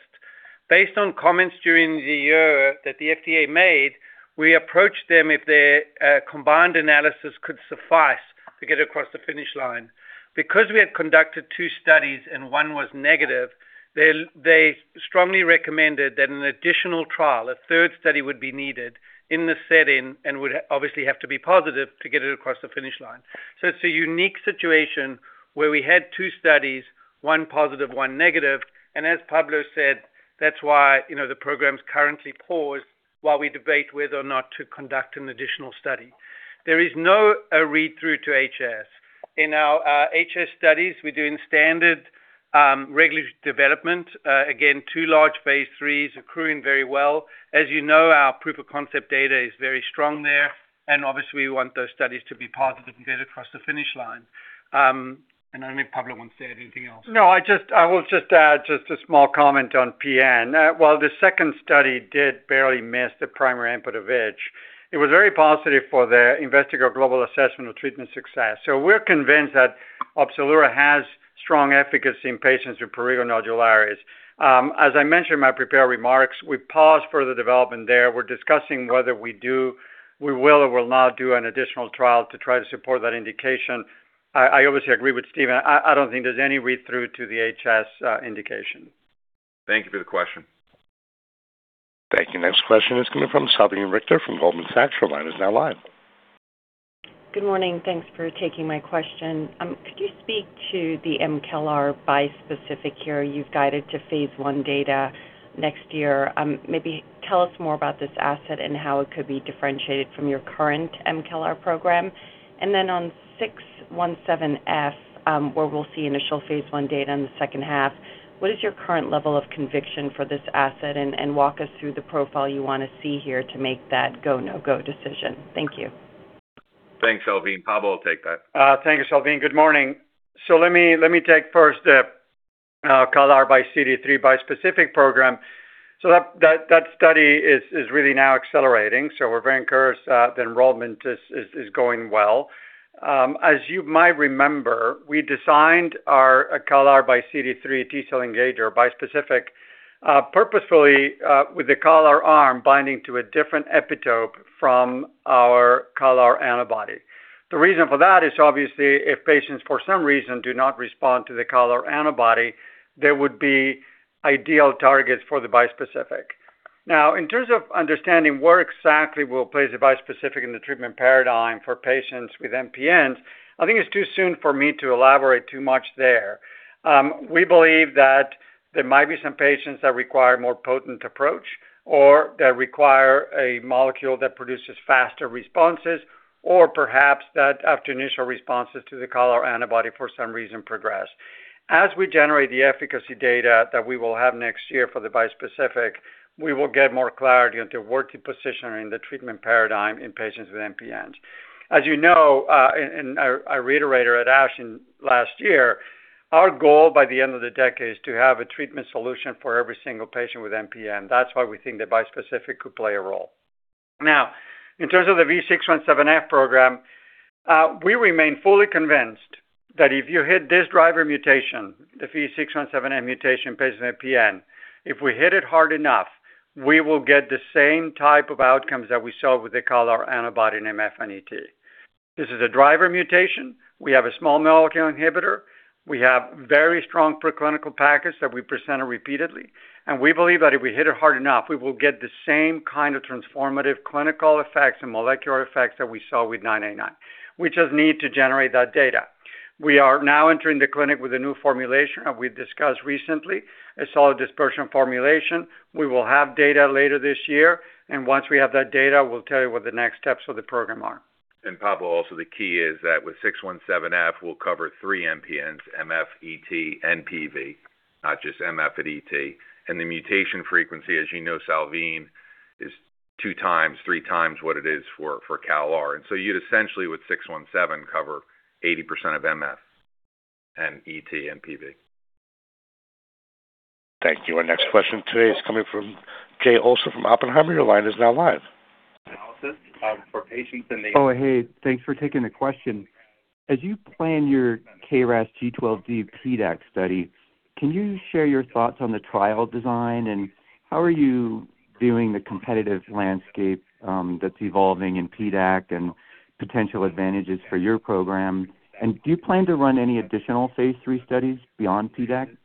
Based on comments during the year that the FDA made, we approached them if their combined analysis could suffice to get across the finish line. Because we had conducted two studies and one was negative, they strongly recommended that an additional trial, a third study, would be needed in this setting and would obviously have to be positive to get it across the finish line. So it's a unique situation where we had two studies, one positive, one negative. And as Pablo said, that's why the program's currently paused while we debate whether or not to conduct an additional study. There is no read-through to HS. In our HS studies, we do standard regulatory development. Again, two large Phase IIIs accruing very well. As you know, our proof of concept data is very strong there. And obviously, we want those studies to be positive and get across the finish line. And I don't think Pablo wants to add anything else. No. I will just add just a small comment on PN. While the second study did barely miss the primary endpoint, it was very positive for the Investigator's Global Assessment of treatment success. So we're convinced that OPZELURA has strong efficacy in patients with prurigo nodularis. As I mentioned in my prepared remarks, we paused further development there. We're discussing whether we will or will not do an additional trial to try to support that indication. I obviously agree with Steven. I don't think there's any read-through to the HS indication. Thank you for the question. Thank you. Next question is coming from Salveen Richter from Goldman Sachs. Your line is now live. Good morning. Thanks for taking my question. Could you speak to the mCALR bispecific here you've guided to Phase I data next year? Maybe tell us more about this asset and how it could be differentiated from your current mCALR program. And then on V617F, where we'll see initial Phase I data in the second half, what is your current level of conviction for this asset? And walk us through the profile you want to see here to make that go-no-go decision. Thank you. Thanks, Salveen. Pablo, take that. Thank you, Salveen. Good morning. Let me take first the CALR bispecific program. That study is really now accelerating. We're very encouraged that enrollment is going well. As you might remember, we designed our CALR bispecific T-cell engager purposefully with the CALR arm binding to a different epitope from our CALR antibody. The reason for that is, obviously, if patients, for some reason, do not respond to the CALR antibody, there would be ideal targets for the bispecific. Now, in terms of understanding where exactly we'll place the bispecific in the treatment paradigm for patients with MPNs, I think it's too soon for me to elaborate too much there. We believe that there might be some patients that require a more potent approach or that require a molecule that produces faster responses or perhaps that, after initial responses to the CALR antibody, for some reason, progress. As we generate the efficacy data that we will have next year for the bispecific, we will get more clarity onto where to position in the treatment paradigm in patients with MPNs. As you know, and I reiterated at ASH last year, our goal by the end of the decade is to have a treatment solution for every single patient with MPN. That's why we think the bispecific could play a role. Now, in terms of the V617F program, we remain fully convinced that if you hit this driver mutation, the V617F mutation, patients with MPN, if we hit it hard enough, we will get the same type of outcomes that we saw with the CALR antibody in MF. This is a driver mutation. We have a small molecule inhibitor. We have very strong preclinical packets that we presented repeatedly. We believe that if we hit it hard enough, we will get the same kind of transformative clinical effects and molecular effects that we saw with 989. We just need to generate that data. We are now entering the clinic with a new formulation that we discussed recently, a solid dispersion formulation. We will have data later this year. Once we have that data, we'll tell you what the next steps for the program are. And Pablo, also the key is that with 617F, we'll cover three MPNs: MF, ET, and PV, not just MF and ET. And the mutation frequency, as you know, Salveen, is two times, three times what it is for CALR. And so you'd essentially, with 617, cover 80% of MF and ET and PV. Thank you. Our next question today is coming from Jay Olson from Oppenheimer. Your line is now live. Analysis for patients in the. Oh, hey. Thanks for taking the question. As you plan your KRAS G12D PDAC study, can you share your thoughts on the trial design, and how are you viewing the competitive landscape that's evolving in PDAC and potential advantages for your program? And do you plan to run any additional Phase III studies beyond PDAC?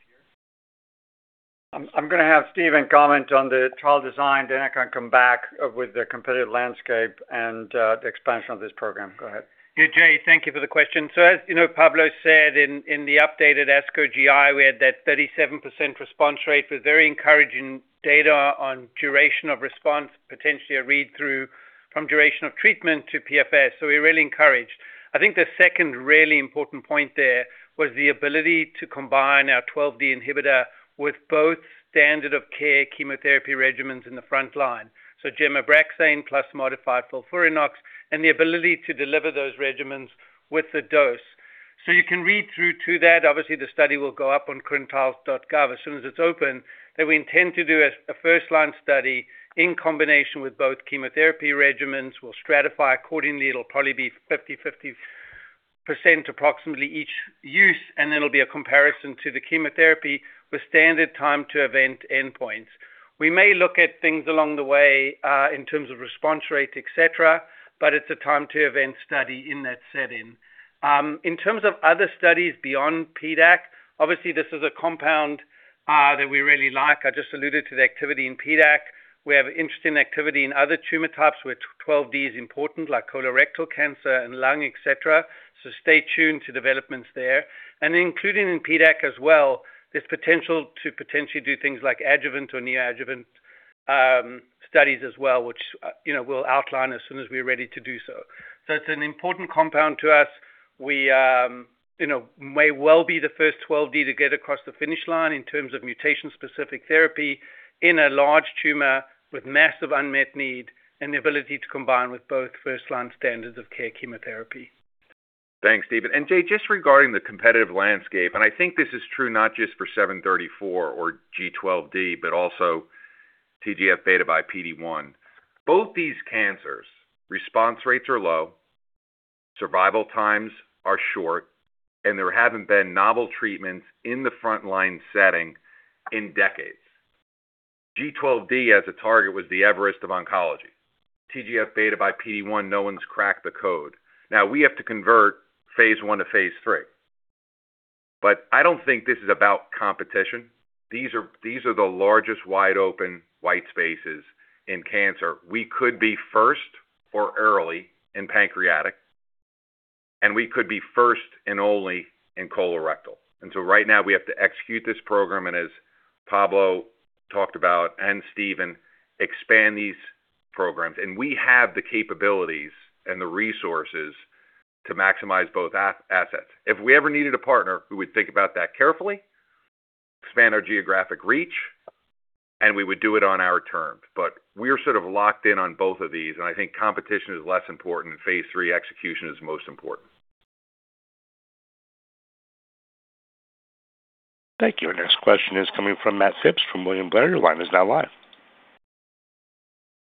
I'm going to have Steven comment on the trial design. Then I can come back with the competitive landscape and the expansion of this program. Go ahead. Yeah, Jay, thank you for the question. So as Pablo said, in the updated ASCO GI, we had that 37% response rate. We had very encouraging data on duration of response, potentially a read-through from duration of treatment to PFS. So we're really encouraged. I think the second really important point there was the ability to combine our G12D inhibitor with both standard-of-care chemotherapy regimens in the front line, so gem/Abraxane plus modified FOLFIRINOX, and the ability to deliver those regimens with the dose. So you can read through to that. Obviously, the study will go up on clinicaltrials.gov as soon as it's open. We intend to do a first-line study in combination with both chemotherapy regimens. We'll stratify accordingly. It'll probably be 50/50 percent approximately each use, and then it'll be a comparison to the chemotherapy with standard time-to-event endpoints. We may look at things along the way in terms of response rate, etc., but it's a time-to-event study in that setting. In terms of other studies beyond PDAC, obviously, this is a compound that we really like. I just alluded to the activity in PDAC. We have interesting activity in other tumor types where 12D is important, like colorectal cancer and lung, etc. So stay tuned to developments there. And including in PDAC as well, there's potential to potentially do things like adjuvant or neoadjuvant studies as well, which we'll outline as soon as we're ready to do so. It's an important compound to us. We may well be the first G12D to get across the finish line in terms of mutation-specific therapy in a large tumor with massive unmet need and the ability to combine with both first-line standards of care chemotherapy. Thanks, Steven. And Jay, just regarding the competitive landscape - and I think this is true not just for 734 or G12D but also TGF-beta by PD-1 - both these cancers, response rates are low, survival times are short, and there haven't been novel treatments in the front-line setting in decades. G12D, as a target, was the Everest of oncology. TGF-beta by PD-1, no one's cracked the code. Now, we have to convert Phase I to Phase III. But I don't think this is about competition. These are the largest wide-open white spaces in cancer. We could be first or early in pancreatic, and we could be first and only in colorectal. And so right now, we have to execute this program and, as Pablo talked about and Steven, expand these programs. And we have the capabilities and the resources to maximize both assets. If we ever needed a partner, we would think about that carefully, expand our geographic reach, and we would do it on our terms. But we're sort of locked in on both of these. And I think competition is less important, and Phase III execution is most important. Thank you. Our next question is coming from Matt Phipps from William Blair. Your line is now live.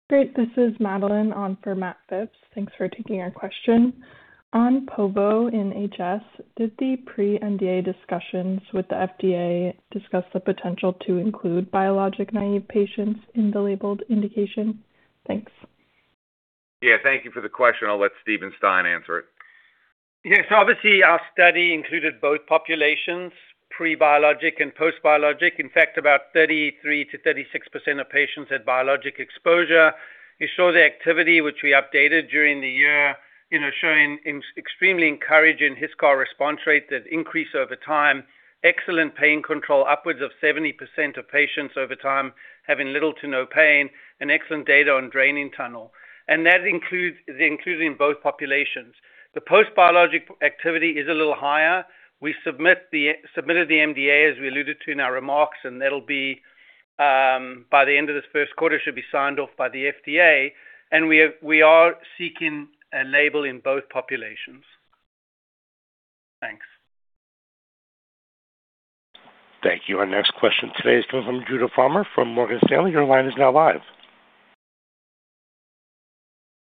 Great. This is Madeline on for Matt Phipps. Thanks for taking our question. On povo in HS, did the pre-NDA discussions with the FDA discuss the potential to include biologic-naive patients in the labeled indication? Thanks. Yeah. Thank you for the question. I'll let Steven Stein answer it. Yeah. So obviously, our study included both populations, prebiologic and postbiologic. In fact, about 33%-36% of patients had biologic exposure. It showed the activity, which we updated during the year, showing extremely encouraging HiSCR response rate, that increased over time, excellent pain control, upwards of 70% of patients over time having little to no pain, and excellent data on draining tunnel. And that is included in both populations. The postbiologic activity is a little higher. We submitted the sNDA, as we alluded to in our remarks, and that'll be by the end of this first quarter, should be signed off by the FDA. And we are seeking a label in both populations. Thanks. Thank you. Our next question today is coming from Judah Frommer from Morgan Stanley. Your line is now live.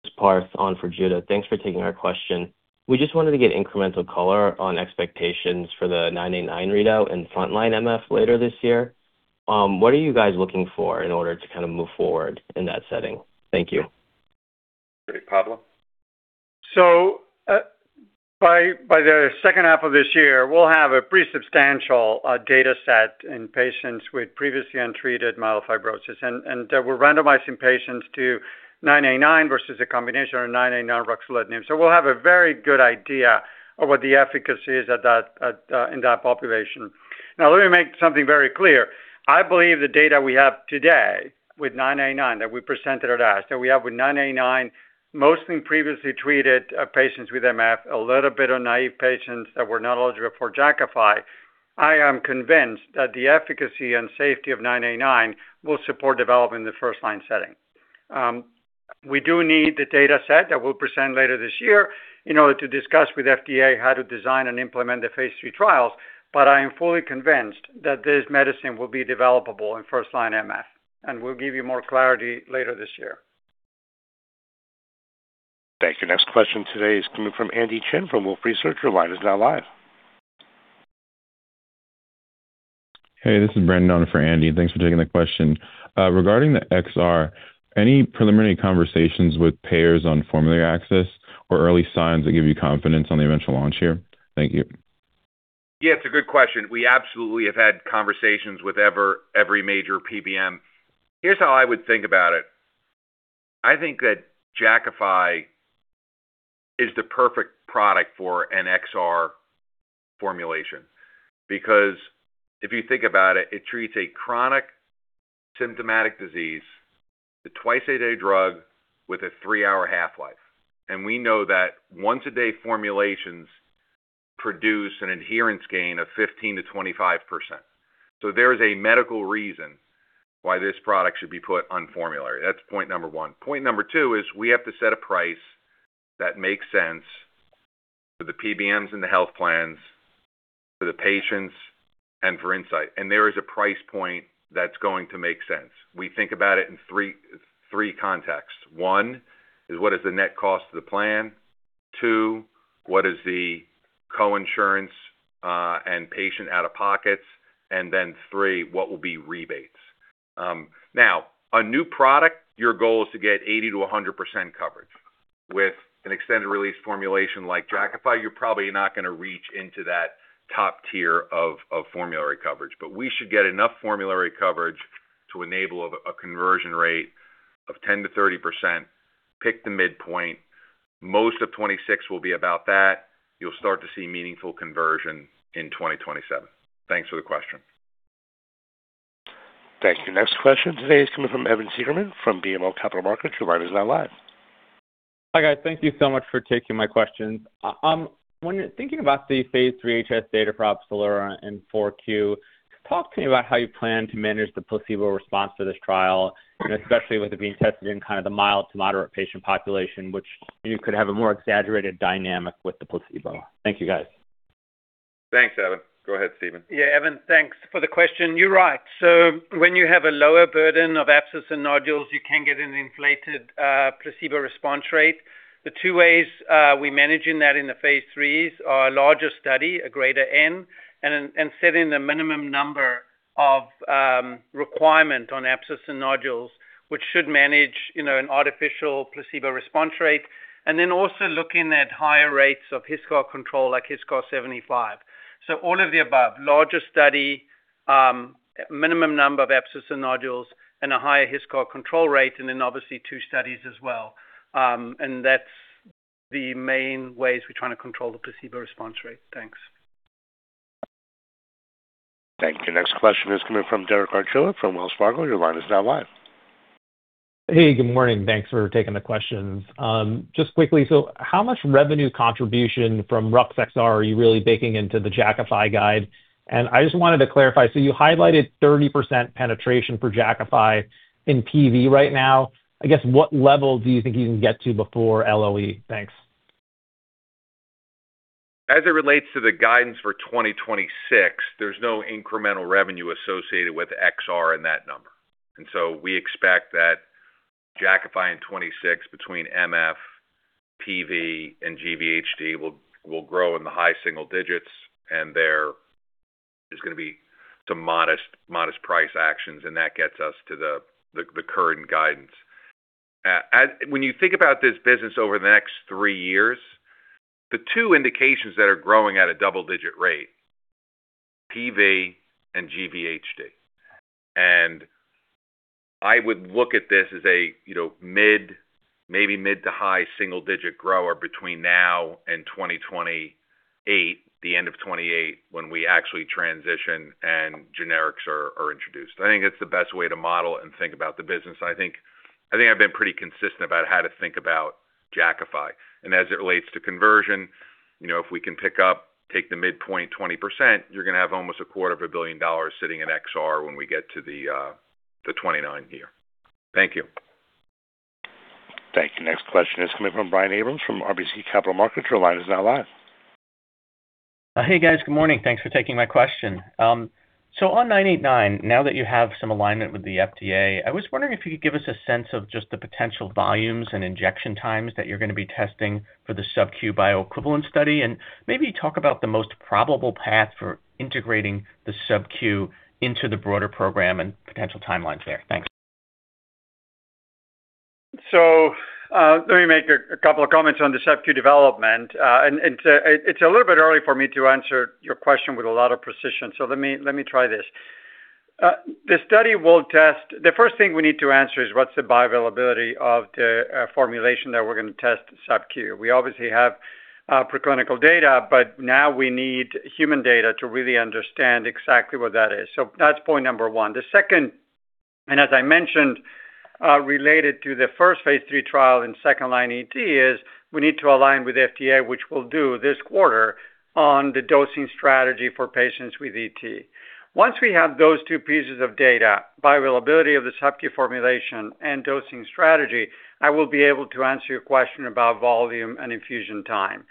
This is Parth on for Judah. Thanks for taking our question. We just wanted to get incremental color on expectations for the 989 readout and front-line MF later this year. What are you guys looking for in order to kind of move forward in that setting? Thank you. Great. Pablo? So by the second half of this year, we'll have a pretty substantial dataset in patients with previously untreated myelofibrosis. And we're randomizing patients to 989 versus a combination or 989-ruxolitinib. So we'll have a very good idea of what the efficacy is in that population. Now, let me make something very clear. I believe the data we have today with 989 that we presented at ASH, that we have with 989, mostly previously treated patients with MF, a little bit of naive patients that were not eligible for Jakafi, I am convinced that the efficacy and safety of 989 will support development in the first-line setting. We do need the dataset that we'll present later this year in order to discuss with the FDA how to design and implement the Phase III trials. But I am fully convinced that this medicine will be developable in first-line MF. We'll give you more clarity later this year. Thank you. Next question today is coming from Andy Chen from Wolfe Research. Your line is now live. Hey. This is Brandon on for Andy. Thanks for taking the question. Regarding the XR, any preliminary conversations with payers on formulary access or early signs that give you confidence on the eventual launch here? Thank you. Yeah. It's a good question. We absolutely have had conversations with every major PBM. Here's how I would think about it. I think that Jakafi is the perfect product for an XR formulation because, if you think about it, it treats a chronic symptomatic disease, the twice-a-day drug, with a three-hour half-life. And we know that once-a-day formulations produce an adherence gain of 15%-25%. So there is a medical reason why this product should be put on formulary. That's point number one. Point number two is we have to set a price that makes sense for the PBMs and the health plans, for the patients, and for Incyte. And there is a price point that's going to make sense. We think about it in three contexts. One is, what is the net cost of the plan? Two, what is the co-insurance and patient out-of-pocket? Then three, what will be rebates? Now, a new product, your goal is to get 80%-100% coverage. With an extended-release formulation like Jakafi, you're probably not going to reach into that top tier of formulary coverage. But we should get enough formulary coverage to enable a conversion rate of 10%-30%, pick the midpoint. Most of 2026 will be about that. You'll start to see meaningful conversion in 2027. Thanks for the question. Thank you. Next question today is coming from Evan Seigerman from BMO Capital Markets. Your line is now live. Hi, guys. Thank you so much for taking my questions. When you're thinking about the Phase III HS data for OPZELURA and 4Q, talk to me about how you plan to manage the placebo response for this trial, especially with it being tested in kind of the mild to moderate patient population, which you could have a more exaggerated dynamic with the placebo. Thank you, guys. Thanks, Evan. Go ahead, Steven. Yeah, Evan, thanks for the question. You're right. So when you have a lower burden of abscess and nodules, you can get an inflated placebo response rate. The two ways we're managing that in the Phase IIIs are a larger study, a greater N, and setting the minimum number of requirements on abscess and nodules, which should manage an artificial placebo response rate, and then also looking at higher rates of HiSCR control like HiSCR 75. So all of the above: larger study, minimum number of abscess and nodules, and a higher HiSCR control rate, and then obviously two studies as well. And that's the main ways we're trying to control the placebo response rate. Thanks. Thank you. Next question is coming from Derek Archila from Wells Fargo. Your line is now live. Hey. Good morning. Thanks for taking the questions. Just quickly, so how much revenue contribution from Jakafi XR are you really baking into the Jakafi guide? And I just wanted to clarify. So you highlighted 30% penetration for Jakafi in PV right now. I guess, what level do you think you can get to before LOE? Thanks. As it relates to the guidance for 2026, there's no incremental revenue associated with XR in that number. And so we expect that Jakafi in 2026, between MF, PV, and GVHD, will grow in the high single digits, and there is going to be some modest price actions. And that gets us to the current guidance. When you think about this business over the next three years, the two indications that are growing at a double-digit rate are PV and GVHD. And I would look at this as a maybe mid to high single-digit grower between now and 2028, the end of 2028, when we actually transition and generics are introduced. I think that's the best way to model and think about the business. And I think I've been pretty consistent about how to think about Jakafi. As it relates to conversion, if we can pick up, take the midpoint 20%, you're going to have almost $250 million sitting in XR when we get to the 2029 here. Thank you. Thank you. Next question is coming from Brian Abrahams from RBC Capital Markets. Your line is now live. Hey, guys. Good morning. Thanks for taking my question. So on 989, now that you have some alignment with the FDA, I was wondering if you could give us a sense of just the potential volumes and injection times that you're going to be testing for the subQ bioequivalent study and maybe talk about the most probable path for integrating the subQ into the broader program and potential timelines there. Thanks. Let me make a couple of comments on the subQ development. It's a little bit early for me to answer your question with a lot of precision. Let me try this. The study will test. The first thing we need to answer is, what's the bioavailability of the formulation that we're going to test subQ? We obviously have preclinical data, but now we need human data to really understand exactly what that is. That's point number one. The second, and as I mentioned, related to the first Phase III trial in second-line ET is we need to align with the FDA, which will do this quarter on the dosing strategy for patients with ET. Once we have those two pieces of data, bioavailability of the subQ formulation, and dosing strategy, I will be able to answer your question about volume and infusion time.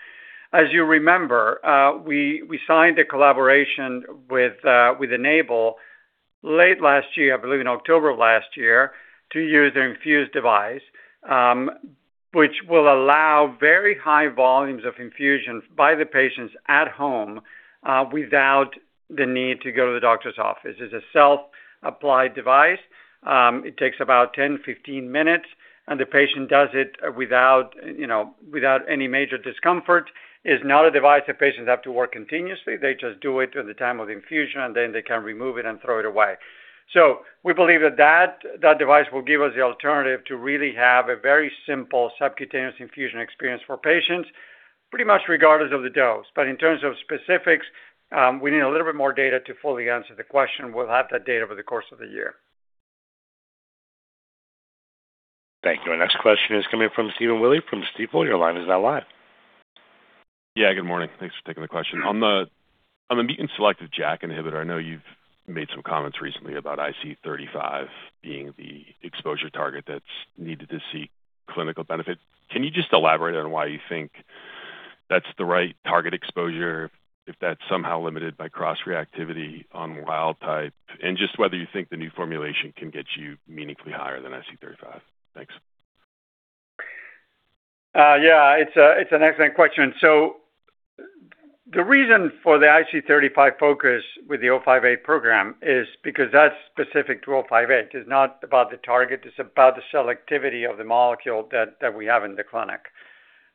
As you remember, we signed a collaboration with Enable late last year, I believe in October of last year, to use their enFuse device, which will allow very high volumes of infusion by the patients at home without the need to go to the doctor's office. It's a self-applied device. It takes about 10-15 minutes, and the patient does it without any major discomfort. It's not a device that patients have to work continuously. They just do it during the time of infusion, and then they can remove it and throw it away. So we believe that that device will give us the alternative to really have a very simple subcutaneous infusion experience for patients, pretty much regardless of the dose. But in terms of specifics, we need a little bit more data to fully answer the question. We'll have that data over the course of the year. Thank you. Our next question is coming from Stephen Willey from Stifel. Your line is now live. Yeah. Good morning. Thanks for taking the question. On the mutant selective JAK inhibitor, I know you've made some comments recently about IC35 being the exposure target that's needed to seek clinical benefit. Can you just elaborate on why you think that's the right target exposure, if that's somehow limited by cross-reactivity on wild type, and just whether you think the new formulation can get you meaningfully higher than IC35? Thanks. Yeah. It's an excellent question. So the reason for the IC35 focus with the 058 program is because that's specific to 058. It's not about the target. It's about the selectivity of the molecule that we have in the clinic.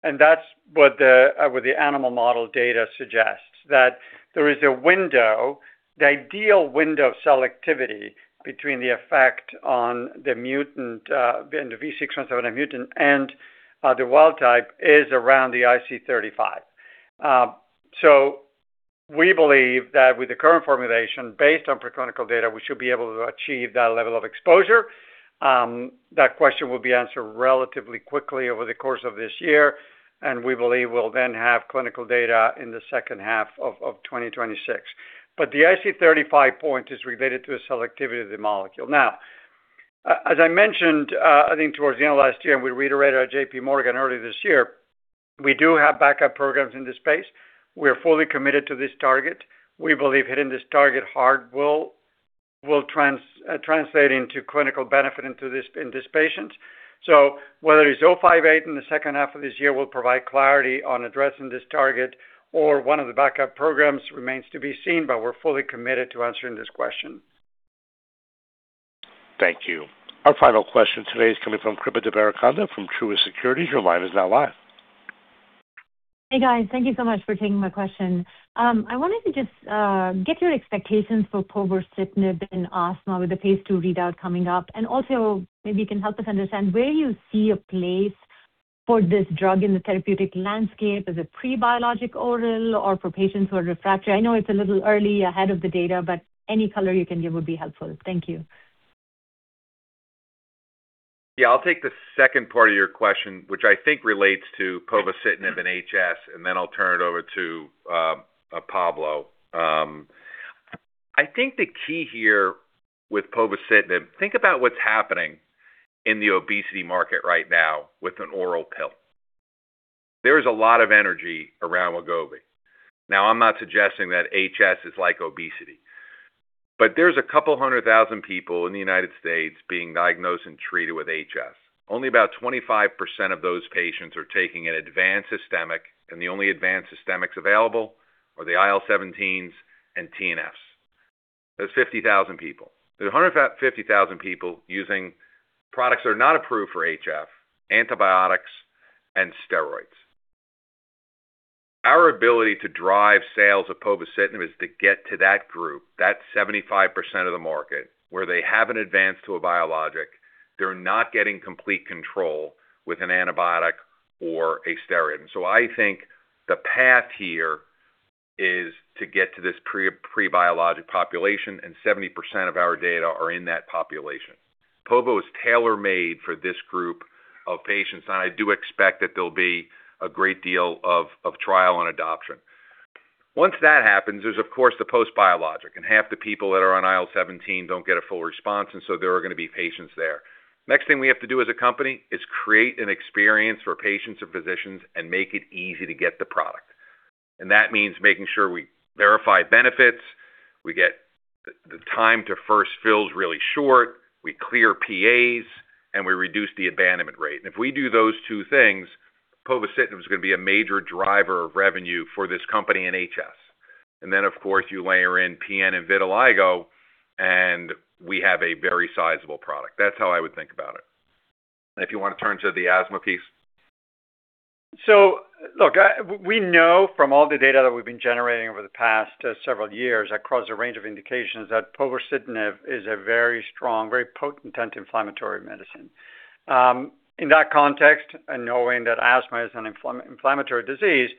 And that's what the animal model data suggests, that there is a window, the ideal window of selectivity between the effect on the mutant, the V617 mutant, and the wild type, is around the IC35. So we believe that with the current formulation, based on preclinical data, we should be able to achieve that level of exposure. That question will be answered relatively quickly over the course of this year. And we believe we'll then have clinical data in the second half of 2026. But the IC35 point is related to the selectivity of the molecule. Now, as I mentioned, I think towards the end of last year, and we reiterated at JPMorgan earlier this year, we do have backup programs in this space. We are fully committed to this target. We believe hitting this target hard will translate into clinical benefit in these patients. So whether it's 058 in the second half of this year will provide clarity on addressing this target, or one of the backup programs remains to be seen, but we're fully committed to answering this question. Thank you. Our final question today is coming from Kripa Devarakonda from Truist Securities. Your line is now live. Hey, guys. Thank you so much for taking my question. I wanted to just get your expectations for povorcitinib and asthma with the Phase II readout coming up. And also, maybe you can help us understand where you see a place for this drug in the therapeutic landscape as a prebiologic oral or for patients who are refractory. I know it's a little early, ahead of the data, but any color you can give would be helpful. Thank you. Yeah. I'll take the second part of your question, which I think relates to povorcitinib and HS, and then I'll turn it over to Pablo. I think the key here with povorcitinib. Think about what's happening in the obesity market right now with an oral pill. There is a lot of energy around Wegovy. Now, I'm not suggesting that HS is like obesity. But there are 200,000 people in the United States being diagnosed and treated with HS. Only about 25% of those patients are taking an advanced systemic, and the only advanced systemics available are the IL-17s and TNFs. That's 50,000 people. There are 150,000 people using products that are not approved for HS, antibiotics, and steroids. Our ability to drive sales of povorcitinib is to get to that group, that 75% of the market, where they haven't advanced to a biologic. They're not getting complete control with an antibiotic or a steroid. And so I think the path here is to get to this prebiologic population, and 70% of our data are in that population. povorcitinib is tailor-made for this group of patients, and I do expect that there'll be a great deal of trial and adoption. Once that happens, there's, of course, the postbiologic. And half the people that are on IL-17 don't get a full response, and so there are going to be patients there. Next thing we have to do as a company is create an experience for patients and physicians and make it easy to get the product. And that means making sure we verify benefits. We get the time to first fill is really short. We clear PAs, and we reduce the abandonment rate. If we do those two things, povorcitinib is going to be a major driver of revenue for this company in HS. Then, of course, you layer in PN and vitiligo, and we have a very sizable product. That's how I would think about it. If you want to turn to the asthma piece. So look, we know from all the data that we've been generating over the past several years across a range of indications that povorcitinib is a very strong, very potent anti-inflammatory medicine. In that context, and knowing that asthma is an inflammatory disease,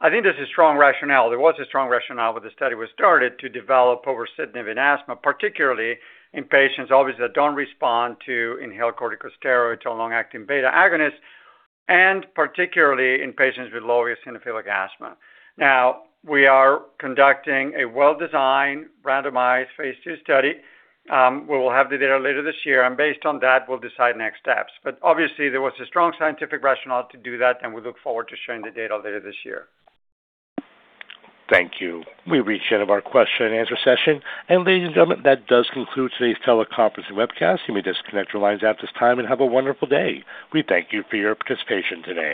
I think there's a strong rationale. There was a strong rationale when the study was started to develop povorcitinib in asthma, particularly in patients, obviously, that don't respond to inhaled corticosteroids or long-acting beta agonists, and particularly in patients with low eosinophilic asthma. Now, we are conducting a well-designed, randomized Phase II study. We will have the data later this year, and based on that, we'll decide next steps. But obviously, there was a strong scientific rationale to do that, and we look forward to sharing the data later this year. Thank you. We've reached the end of our question-and-answer session. Ladies and gentlemen, that does conclude today's teleconference and webcast. You may disconnect your lines at this time and have a wonderful day. We thank you for your participation today.